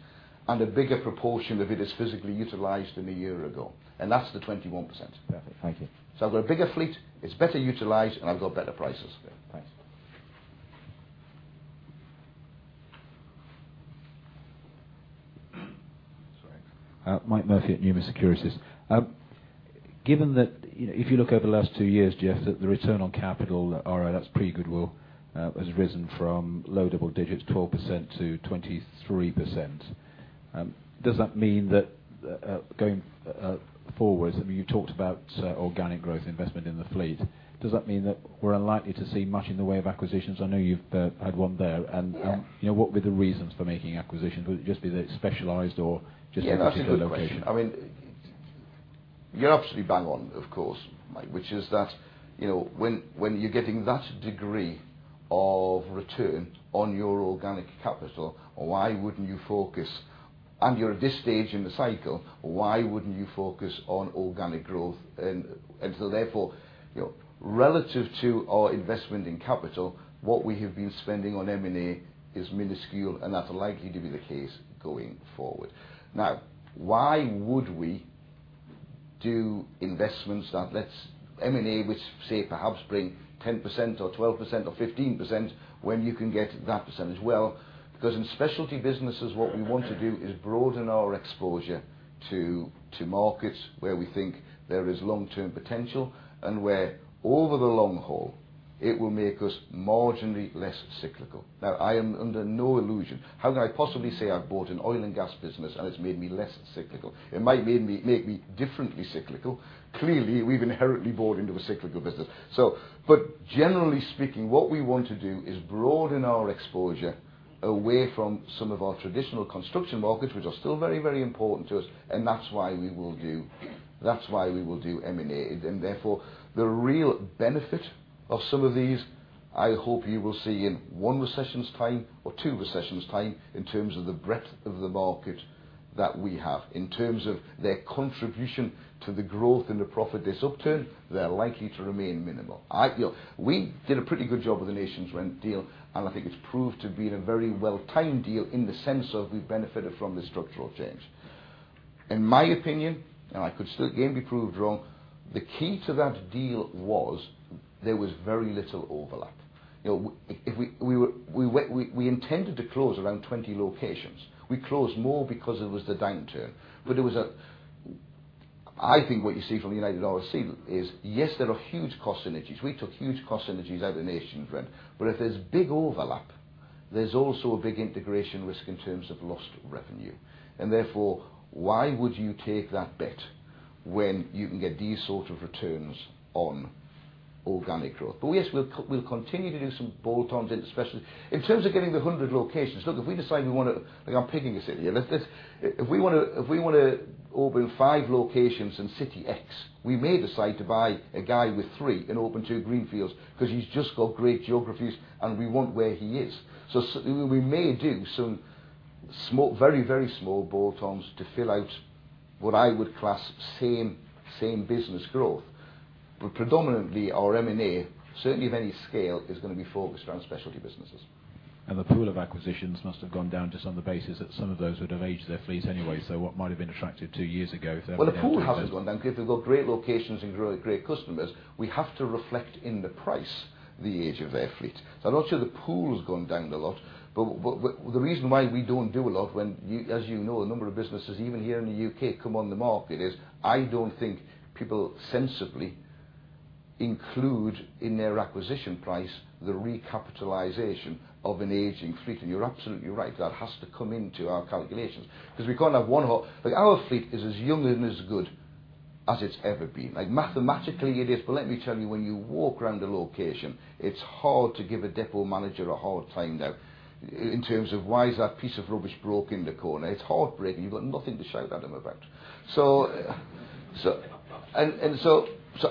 and a bigger proportion of it is physically utilized than a year ago. That's the 21%. Perfect. Thank you. I've got a bigger fleet, it's better utilized, and I've got better prices. Okay, thanks. Sorry. Mike Murphy at Numis Securities. If you look over the last two years, Jeff, the return on capital, ROE, that's pretty good will, has risen from low double digits, 12% to 23%. Does that mean that, going forwards, I mean, you talked about organic growth investment in the fleet? Does that mean that we're unlikely to see much in the way of acquisitions? I know you've had one there. Yeah. What were the reasons for making acquisitions? Would it just be they're specialized or just because of good location? Yeah, that's a good question. You're absolutely bang on, of course, Mike, which is that when you're getting that degree of return on your organic capital, why wouldn't you focus? You're at this stage in the cycle, why wouldn't you focus on organic growth? Therefore, relative to our investment in capital, what we have been spending on M&A is minuscule, and that's likely to be the case going forward. Now, why would we do investments that let's M&A, which say, perhaps bring 10% or 12% or 15%, when you can get that percentage? Well, because in specialty businesses, what we want to do is broaden our exposure to markets where we think there is long-term potential, and where over the long haul, it will make us marginally less cyclical. Now, I am under no illusion. How can I possibly say I've bought an oil and gas business, and it's made me less cyclical? It might make me differently cyclical. Clearly, we've inherently bought into a cyclical business. Generally speaking, what we want to do is broaden our exposure away from some of our traditional construction markets, which are still very, very important to us, and that's why we will do M&A. Therefore, the real benefit of some of these, I hope you will see in one recession's time or two recessions' time in terms of the breadth of the market that we have. In terms of their contribution to the growth and the profit this upturn, they're likely to remain minimal. We did a pretty good job with the NationsRent deal, and I think it's proved to be a very well-timed deal in the sense of we benefited from the structural change. In my opinion, and I could still again be proved wrong, the key to that deal was there was very little overlap. We intended to close around 20 locations. We closed more because it was the downturn. I think what you see from United Rentals is, yes, there are huge cost synergies. We took huge cost synergies out of the NationsRent. If there's big overlap, there's also a big integration risk in terms of lost revenue. Therefore, why would you take that bet when you can get these sort of returns on organic growth? Yes, we'll continue to do some bolt-ons in, especially. In terms of getting the 100 locations, look, if we decide we want to I'm picking a city. If we want to open five locations in city X, we may decide to buy a guy with three and open two green fields because he's just got great geographies and we want where he is. We may do some very, very small bolt-ons to fill out what I would class same business growth. Predominantly our M&A, certainly of any scale, is going to be focused around specialty businesses. The pool of acquisitions must have gone down just on the basis that some of those would have aged their fleets anyway. What might have been attractive two years ago, they're maybe end of life now. Well, the pool hasn't gone down because they've got great locations and great customers. We have to reflect in the price the age of their fleet. I'm not sure the pool has gone down a lot. The reason why we don't do a lot when as you know, a number of businesses, even here in the U.K., come on the market is I don't think people sensibly include in their acquisition price the recapitalization of an aging fleet. You're absolutely right, that has to come into our calculations because we can't have Our fleet is as young and as good as it's ever been. Mathematically it is. Let me tell you, when you walk around a location, it's hard to give a depot manager a hard time now in terms of why is that piece of rubbish broke in the corner. It's heartbreaking. You've got nothing to shout at them about.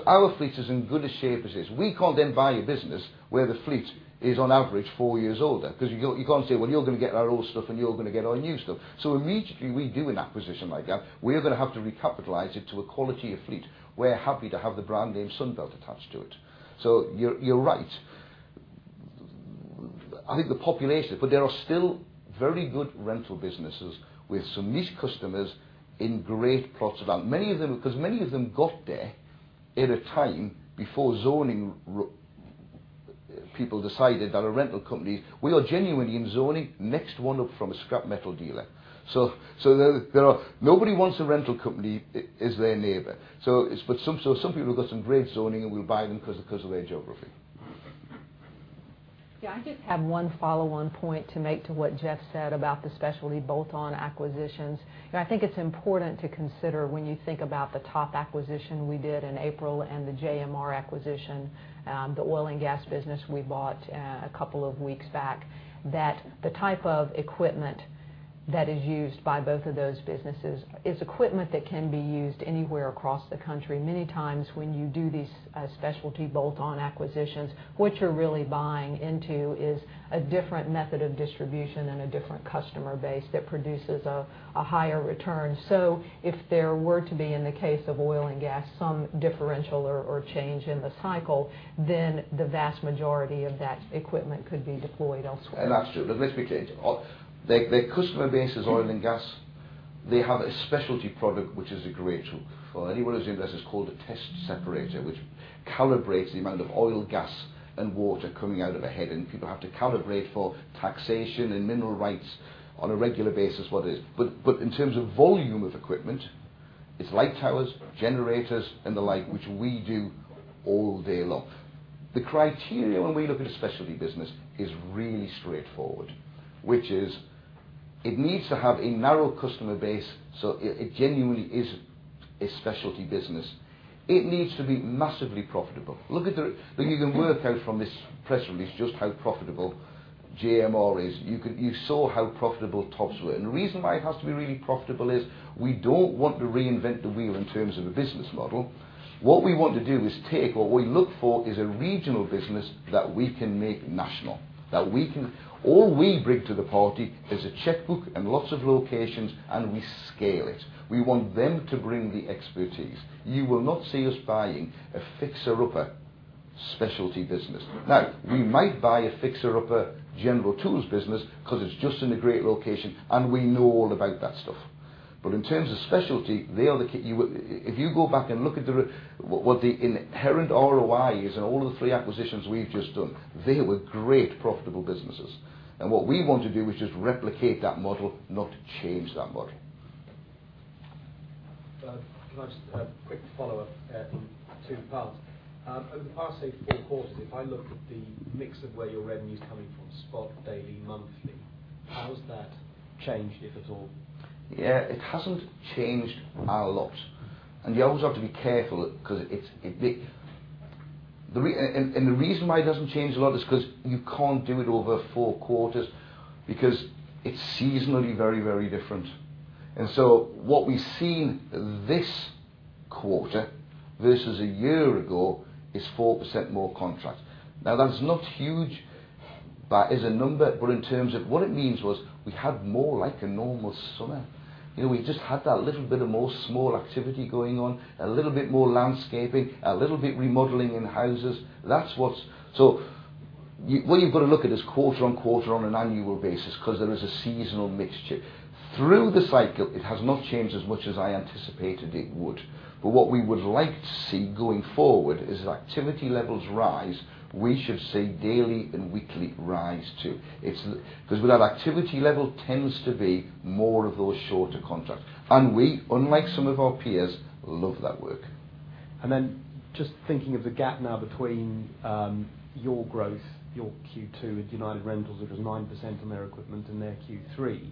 Our fleet is in good a shape as is. We can't then buy a business where the fleet is on average four years older because you can't say, "Well, you're going to get our old stuff and you're going to get our new stuff." Immediately we do an acquisition like that, we are going to have to recapitalize it to a quality of fleet. We're happy to have the brand name Sunbelt attached to it. You're right. There are still very good rental businesses with some niche customers in great plots of land. Many of them got there at a time before zoning, people decided that a rental company, we are genuinely in zoning next one up from a scrap metal dealer. Nobody wants a rental company as their neighbor. Some people have got some great zoning, and we buy them because of their geography. Yeah. I just have one follow-on point to make to what Geoff said about the specialty bolt-on acquisitions. You know, I think it's important to consider when you think about the Tops acquisition we did in April and the JMR acquisition, the oil and gas business we bought a couple of weeks back, that the type of equipment that is used by both of those businesses is equipment that can be used anywhere across the country. Many times when you do these specialty bolt-on acquisitions, what you're really buying into is a different method of distribution and a different customer base that produces a higher return. If there were to be, in the case of oil and gas, some differential or change in the cycle, the vast majority of that equipment could be deployed elsewhere. That's true. Let's be clear. Their customer base is oil and gas. They have a specialty product, which is a great tool for anyone who's invested. It's called a test separator, which calibrates the amount of oil, gas, and water coming out of a head end. People have to calibrate for taxation and mineral rights on a regular basis what it is. In terms of volume of equipment, it's light towers, generators, and the like, which we do all day long. The criteria when we look at a specialty business is really straightforward, which is it needs to have a narrow customer base, so it genuinely is a specialty business. It needs to be massively profitable. You can work out from this press release just how profitable JMR is. You saw how profitable Tops were. The reason why it has to be really profitable is we don't want to reinvent the wheel in terms of a business model. What we want to do is take, what we look for is a regional business that we can make national. All we bring to the party is a checkbook and lots of locations, and we scale it. We want them to bring the expertise. You will not see us buying a fixer-upper specialty business. Now, we might buy a fixer-upper general tools business because it's just in a great location and we know all about that stuff. In terms of specialty, they are the key. If you go back and look at what the inherent ROI is in all of the 3 acquisitions we've just done, they were great profitable businesses. What we want to do is just replicate that model, not change that model. Can I just, a quick follow-up from two parts. Over the past, say, four quarters, if I look at the mix of where your revenue's coming from, spot, daily, monthly, how has that changed, if at all? Yeah. It hasn't changed a lot. You always have to be careful because the reason why it hasn't changed a lot is because you can't do it over four quarters because it's seasonally very different. What we've seen this quarter versus a year ago is 4% more contracts. Now, that's not huge, but as a number, but in terms of what it means was we had more like a normal summer. We just had that little bit of more small activity going on, a little bit more landscaping, a little bit remodeling in houses. That's what's. What you've got to look at is quarter on quarter on an annual basis because there is a seasonal mixture. Through the cycle, it has not changed as much as I anticipated it would. What we would like to see going forward is as activity levels rise, we should see daily and weekly rise, too. With our activity level tends to be more of those shorter contracts. We, unlike some of our peers, love that work. Just thinking of the gap now between your growth, your Q2 with United Rentals, which was 9% on their equipment in their Q3.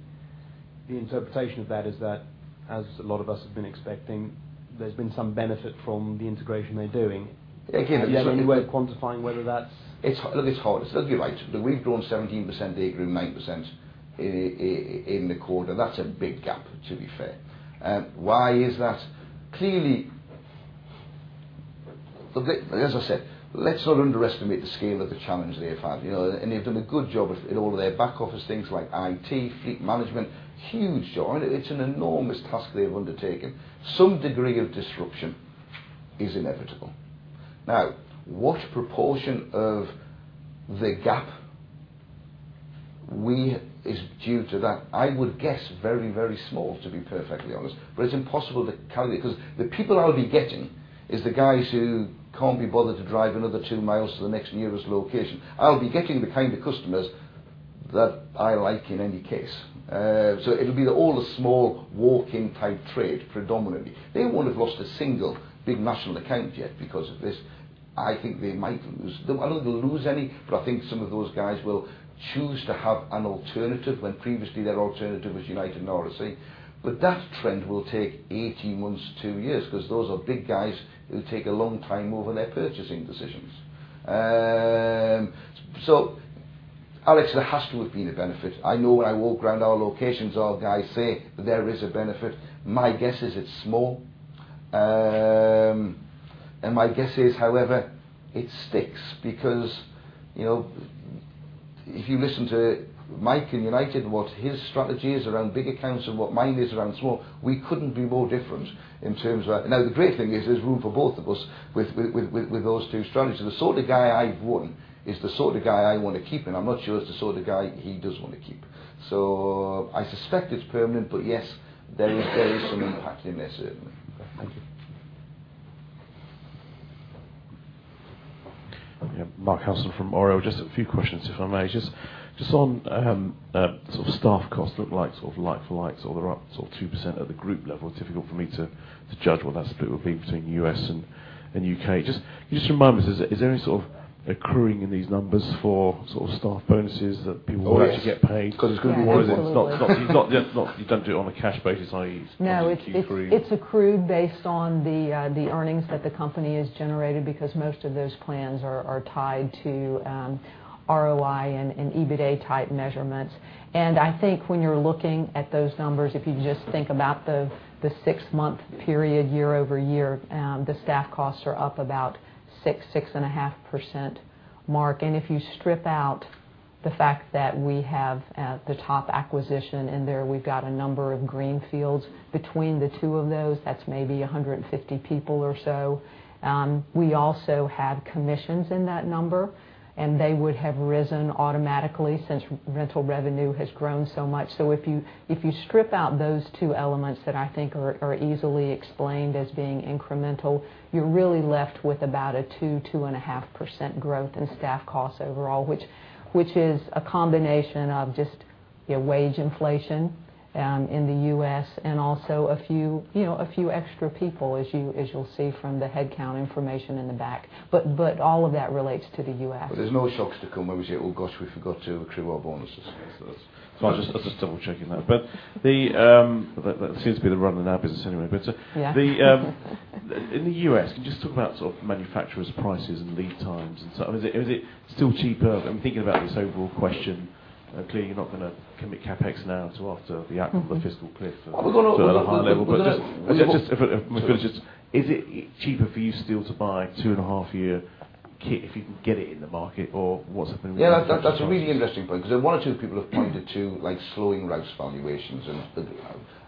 The interpretation of that is that, as a lot of us have been expecting, there's been some benefit from the integration they're doing. Again, there's some- Do you have any way of quantifying whether. Look, it's hard. You're right. We've grown 17%, they grew 9% in the quarter. That's a big gap, to be fair. Why is that? Clearly As I said, let's not underestimate the scale of the challenge they've had. They've done a good job in all of their back office things like IT, fleet management. Huge job. It's an enormous task they've undertaken. Some degree of disruption is inevitable. Now, what proportion of the gap is due to that? I would guess very small, to be perfectly honest. It's impossible to calculate because the people I'll be getting is the guys who can't be bothered to drive another two miles to the next nearest location. I'll be getting the kind of customers that I like in any case. It'll be all the small walk-in type trade predominantly. They won't have lost a single big national account yet because of this. I think they might lose. I don't think they'll lose any, but I think some of those guys will choose to have an alternative when previously their alternative was United and RSC. That trend will take 18 months to two years because those are big guys who take a long time over their purchasing decisions. Alex, there has to have been a benefit. I know when I walk around our locations, our guys say there is a benefit. My guess is it's small. My guess is, however, it sticks because if you listen to Mike in United, what his strategy is around big accounts and what mine is around small, we couldn't be more different in terms of. Now, the great thing is there's room for both of us with those two strategies. The sort of guy I've won is the sort of guy I want to keep, and I'm not sure it's the sort of guy he does want to keep. I suspect it's permanent. Yes, there is some impact in there, certainly. Thank you. Mark Nelson from Oriel Securities. Just a few questions, if I may. On sort of staff cost look like sort of like for likes or they're up sort of 2% at the group level. It's difficult for me to judge what that split would be between U.S. and U.K. Remind me, is there any sort of accruing in these numbers for sort of staff bonuses that people- Yes are yet to get paid? Got to be- Yeah. Absolutely. You don't do it on a cash basis, i.e., it's Q3. No, it's accrued based on the earnings that the company has generated because most of those plans are tied to ROI and EBITDA-type measurements. I think when you're looking at those numbers, if you just think about the six-month period year-over-year, the staff costs are up about 6.5%, Mark. If you strip out the fact that we have the Tops acquisition in there, we've got a number of green fields between the two of those. That's maybe 150 people or so. We also had commissions in that number, they would have risen automatically since rental revenue has grown so much. If you strip out those two elements that I think are easily explained as being incremental, you're really left with about a 2.5% growth in staff costs overall. Which is a combination of just wage inflation in the U.S. and also a few extra people as you'll see from the headcount information in the back. All of that relates to the U.S. There's no shocks to come where we say, "Oh, gosh, we forgot to accrue our bonuses. I was just double-checking that. That seems to be the run in our business anyway. Yeah. In the U.S., can you just talk about sort of manufacturer's prices and lead times and so on. Is it still cheaper? I'm thinking about this overall question. Clearly, you're not going to commit CapEx now till after the outcome of the fiscal cliff. Are we going to. sort of the high level. Is it cheaper for you still to buy two-and-a-half-year kit if you can get it in the market or what's happening with That's a really interesting point because one or two people have pointed to like slowing Rouse valuations.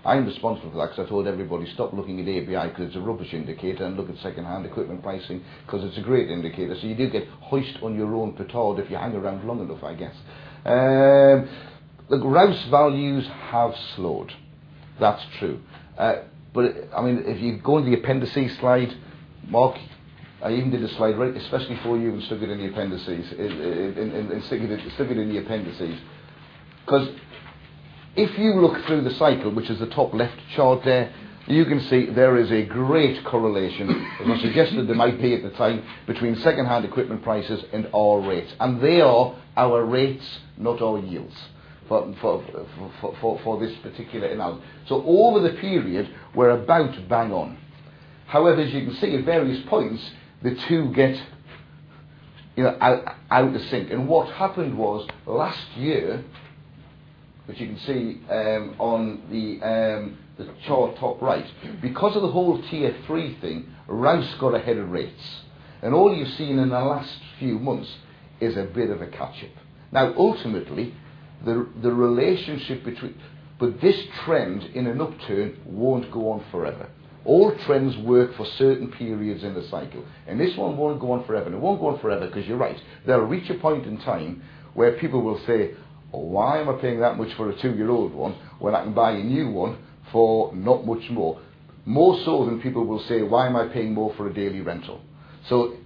I'm responsible for that because I told everybody, "Stop looking at ABI because it's a rubbish indicator, and look at secondhand equipment pricing because it's a great indicator." You do get hoist on your own petard if you hang around long enough, I guess. Rouse values have slowed. That's true. If you go on the appendices slide, Mark, I even did a slide, right, especially for you and stuck it in the appendices. It's sticking it in the appendices. If you look through the cycle, which is the top left chart there, you can see there is a great correlation, as I suggested there might be at the time, between secondhand equipment prices and our rates. They are our rates, not our yields for this particular amount. Over the period, we're about bang on. However, as you can see at various points, the two get out of sync. What happened was last year, which you can see on the chart top right. Because of the whole Tier 3 thing, Rouse got ahead of rates. All you've seen in the last few months is a bit of a catch-up. Ultimately, this trend in an upturn won't go on forever. All trends work for certain periods in the cycle, and this one won't go on forever, and it won't go on forever because you're right. They'll reach a point in time where people will say, "Why am I paying that much for a two-year-old one when I can buy a new one for not much more?" More so than people will say, "Why am I paying more for a daily rental?"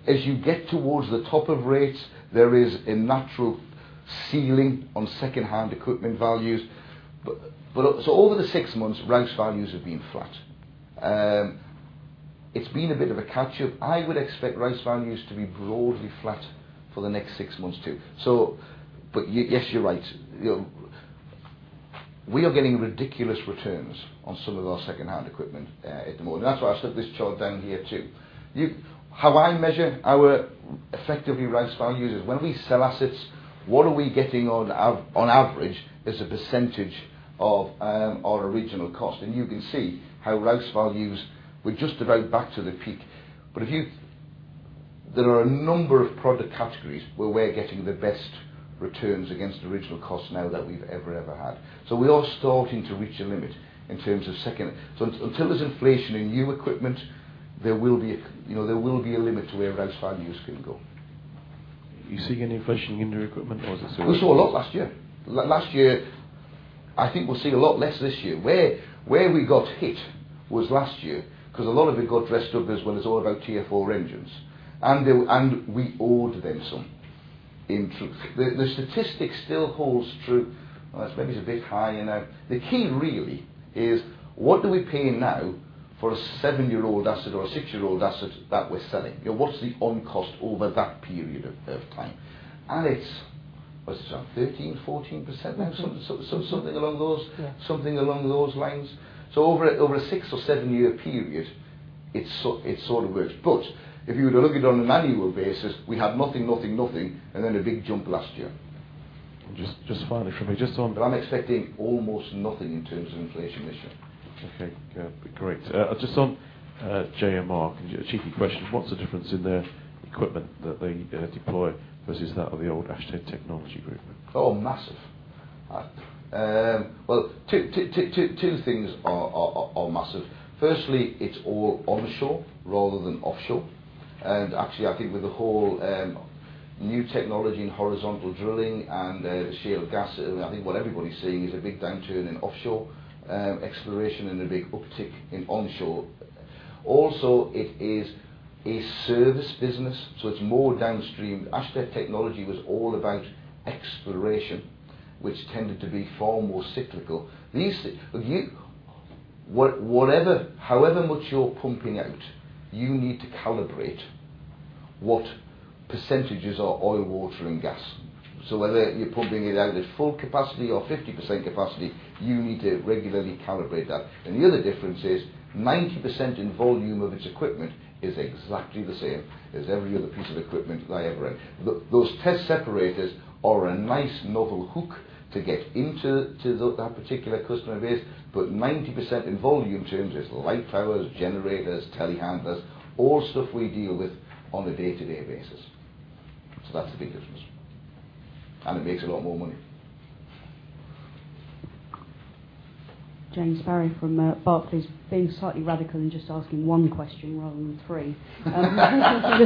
As you get towards the top of rates, there is a natural ceiling on secondhand equipment values. Over the six months, Rouse values have been flat. It's been a bit of a catch-up. I would expect Rouse values to be broadly flat for the next six months, too. Yes, you're right. We are getting ridiculous returns on some of our secondhand equipment at the moment. That's why I stuck this chart down here, too. How I measure our effectively Rouse values is when we sell assets, what are we getting on average as a percentage of our original cost? You can see how Rouse values were just about back to the peak. There are a number of product categories where we're getting the best returns against original cost now than we've ever had. We are starting to reach a limit in terms of second. Until there's inflation in new equipment, there will be a limit to where Rouse values can go. You seeing any inflation in new equipment or is it still? We saw a lot last year. Last year. I think we're seeing a lot less this year. Where we got hit was last year because a lot of it got dressed up as, "Well, it's all about Tier 4 engines." We owed them some, in truth. The statistic still holds true. Maybe it's a bit high now. The key really is what do we pay now for a seven-year-old asset or a six-year-old asset that we're selling? What's the on cost over that period of time? Alex, what's it around 13, 14% now? Something along those. Yeah something along those lines. Over a six or seven-year period, it sort of works. If you were to look at it on an annual basis, we have nothing, nothing, and then a big jump last year. Just finally for me, just on I'm expecting almost nothing in terms of inflation this year. Okay, great. Just on JMR, a cheeky question, what's the difference in the equipment that they deploy versus that of the old Ashtead Technology? Oh, massive. Well, two things are massive. Firstly, it is all onshore rather than offshore. Actually, I think with the whole new technology in horizontal drilling and shale gas, I think what everybody's seeing is a big downturn in offshore exploration and a big uptick in onshore. It is a service business, so it is more downstream. Ashtead Technology was all about exploration, which tended to be far more cyclical. However much you're pumping out, you need to calibrate what percentages are oil, water, and gas. Whether you're pumping it out at full capacity or 50% capacity, you need to regularly calibrate that. The other difference is 90% in volume of its equipment is exactly the same as every other piece of equipment that I ever owned. Those test separators are a nice novel hook to get into that particular customer base. 90% in volume terms is light towers, generators, telehandlers, all stuff we deal with on a day-to-day basis. That's the big difference, and it makes a lot more money. Jane Barry from Barclays. Being slightly radical and just asking one question rather than three.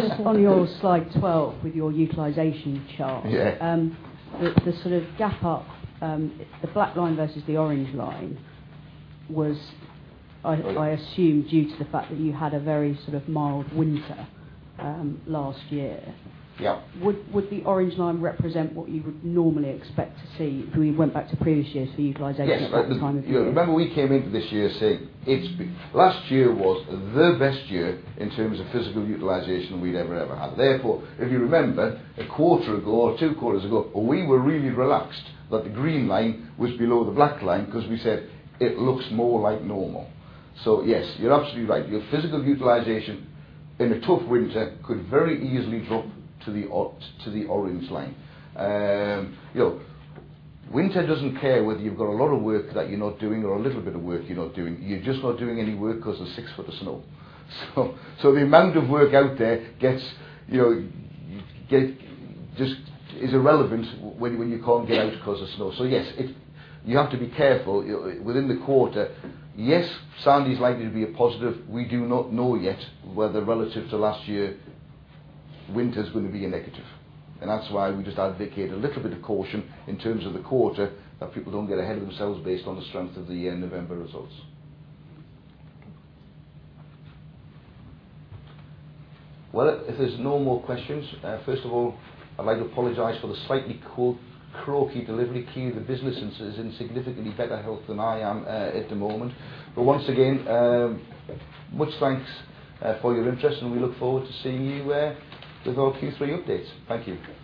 Just on your slide 12 with your utilization chart. Yeah. The sort of gap up, the black line versus the orange line was, I assume, due to the fact that you had a very sort of mild winter last year. Yeah. Would the orange line represent what you would normally expect to see if we went back to previous years for utilization at this time of year? Yes. Remember we came into this year saying last year was the best year in terms of physical utilization we'd ever had. If you remember, a quarter ago or two quarters ago, we were really relaxed that the green line was below the black line because we said it looks more like normal. Yes, you're absolutely right. Your physical utilization in a tough winter could very easily drop to the orange line. Winter doesn't care whether you've got a lot of work that you're not doing or a little bit of work you're not doing. You're just not doing any work because of six foot of snow. The amount of work out there is irrelevant when you can't get out because of snow. Yes, you have to be careful within the quarter. Yes, Sandy's likely to be a positive. We do not know yet whether relative to last year, winter's going to be a negative. That's why we just advocate a little bit of caution in terms of the quarter, that people don't get ahead of themselves based on the strength of the year November results. If there's no more questions, first of all, I'd like to apologize for the slightly croaky delivery. Clearly, the business is in significantly better health than I am at the moment. Once again, much thanks for your interest, and we look forward to seeing you with our Q3 updates. Thank you.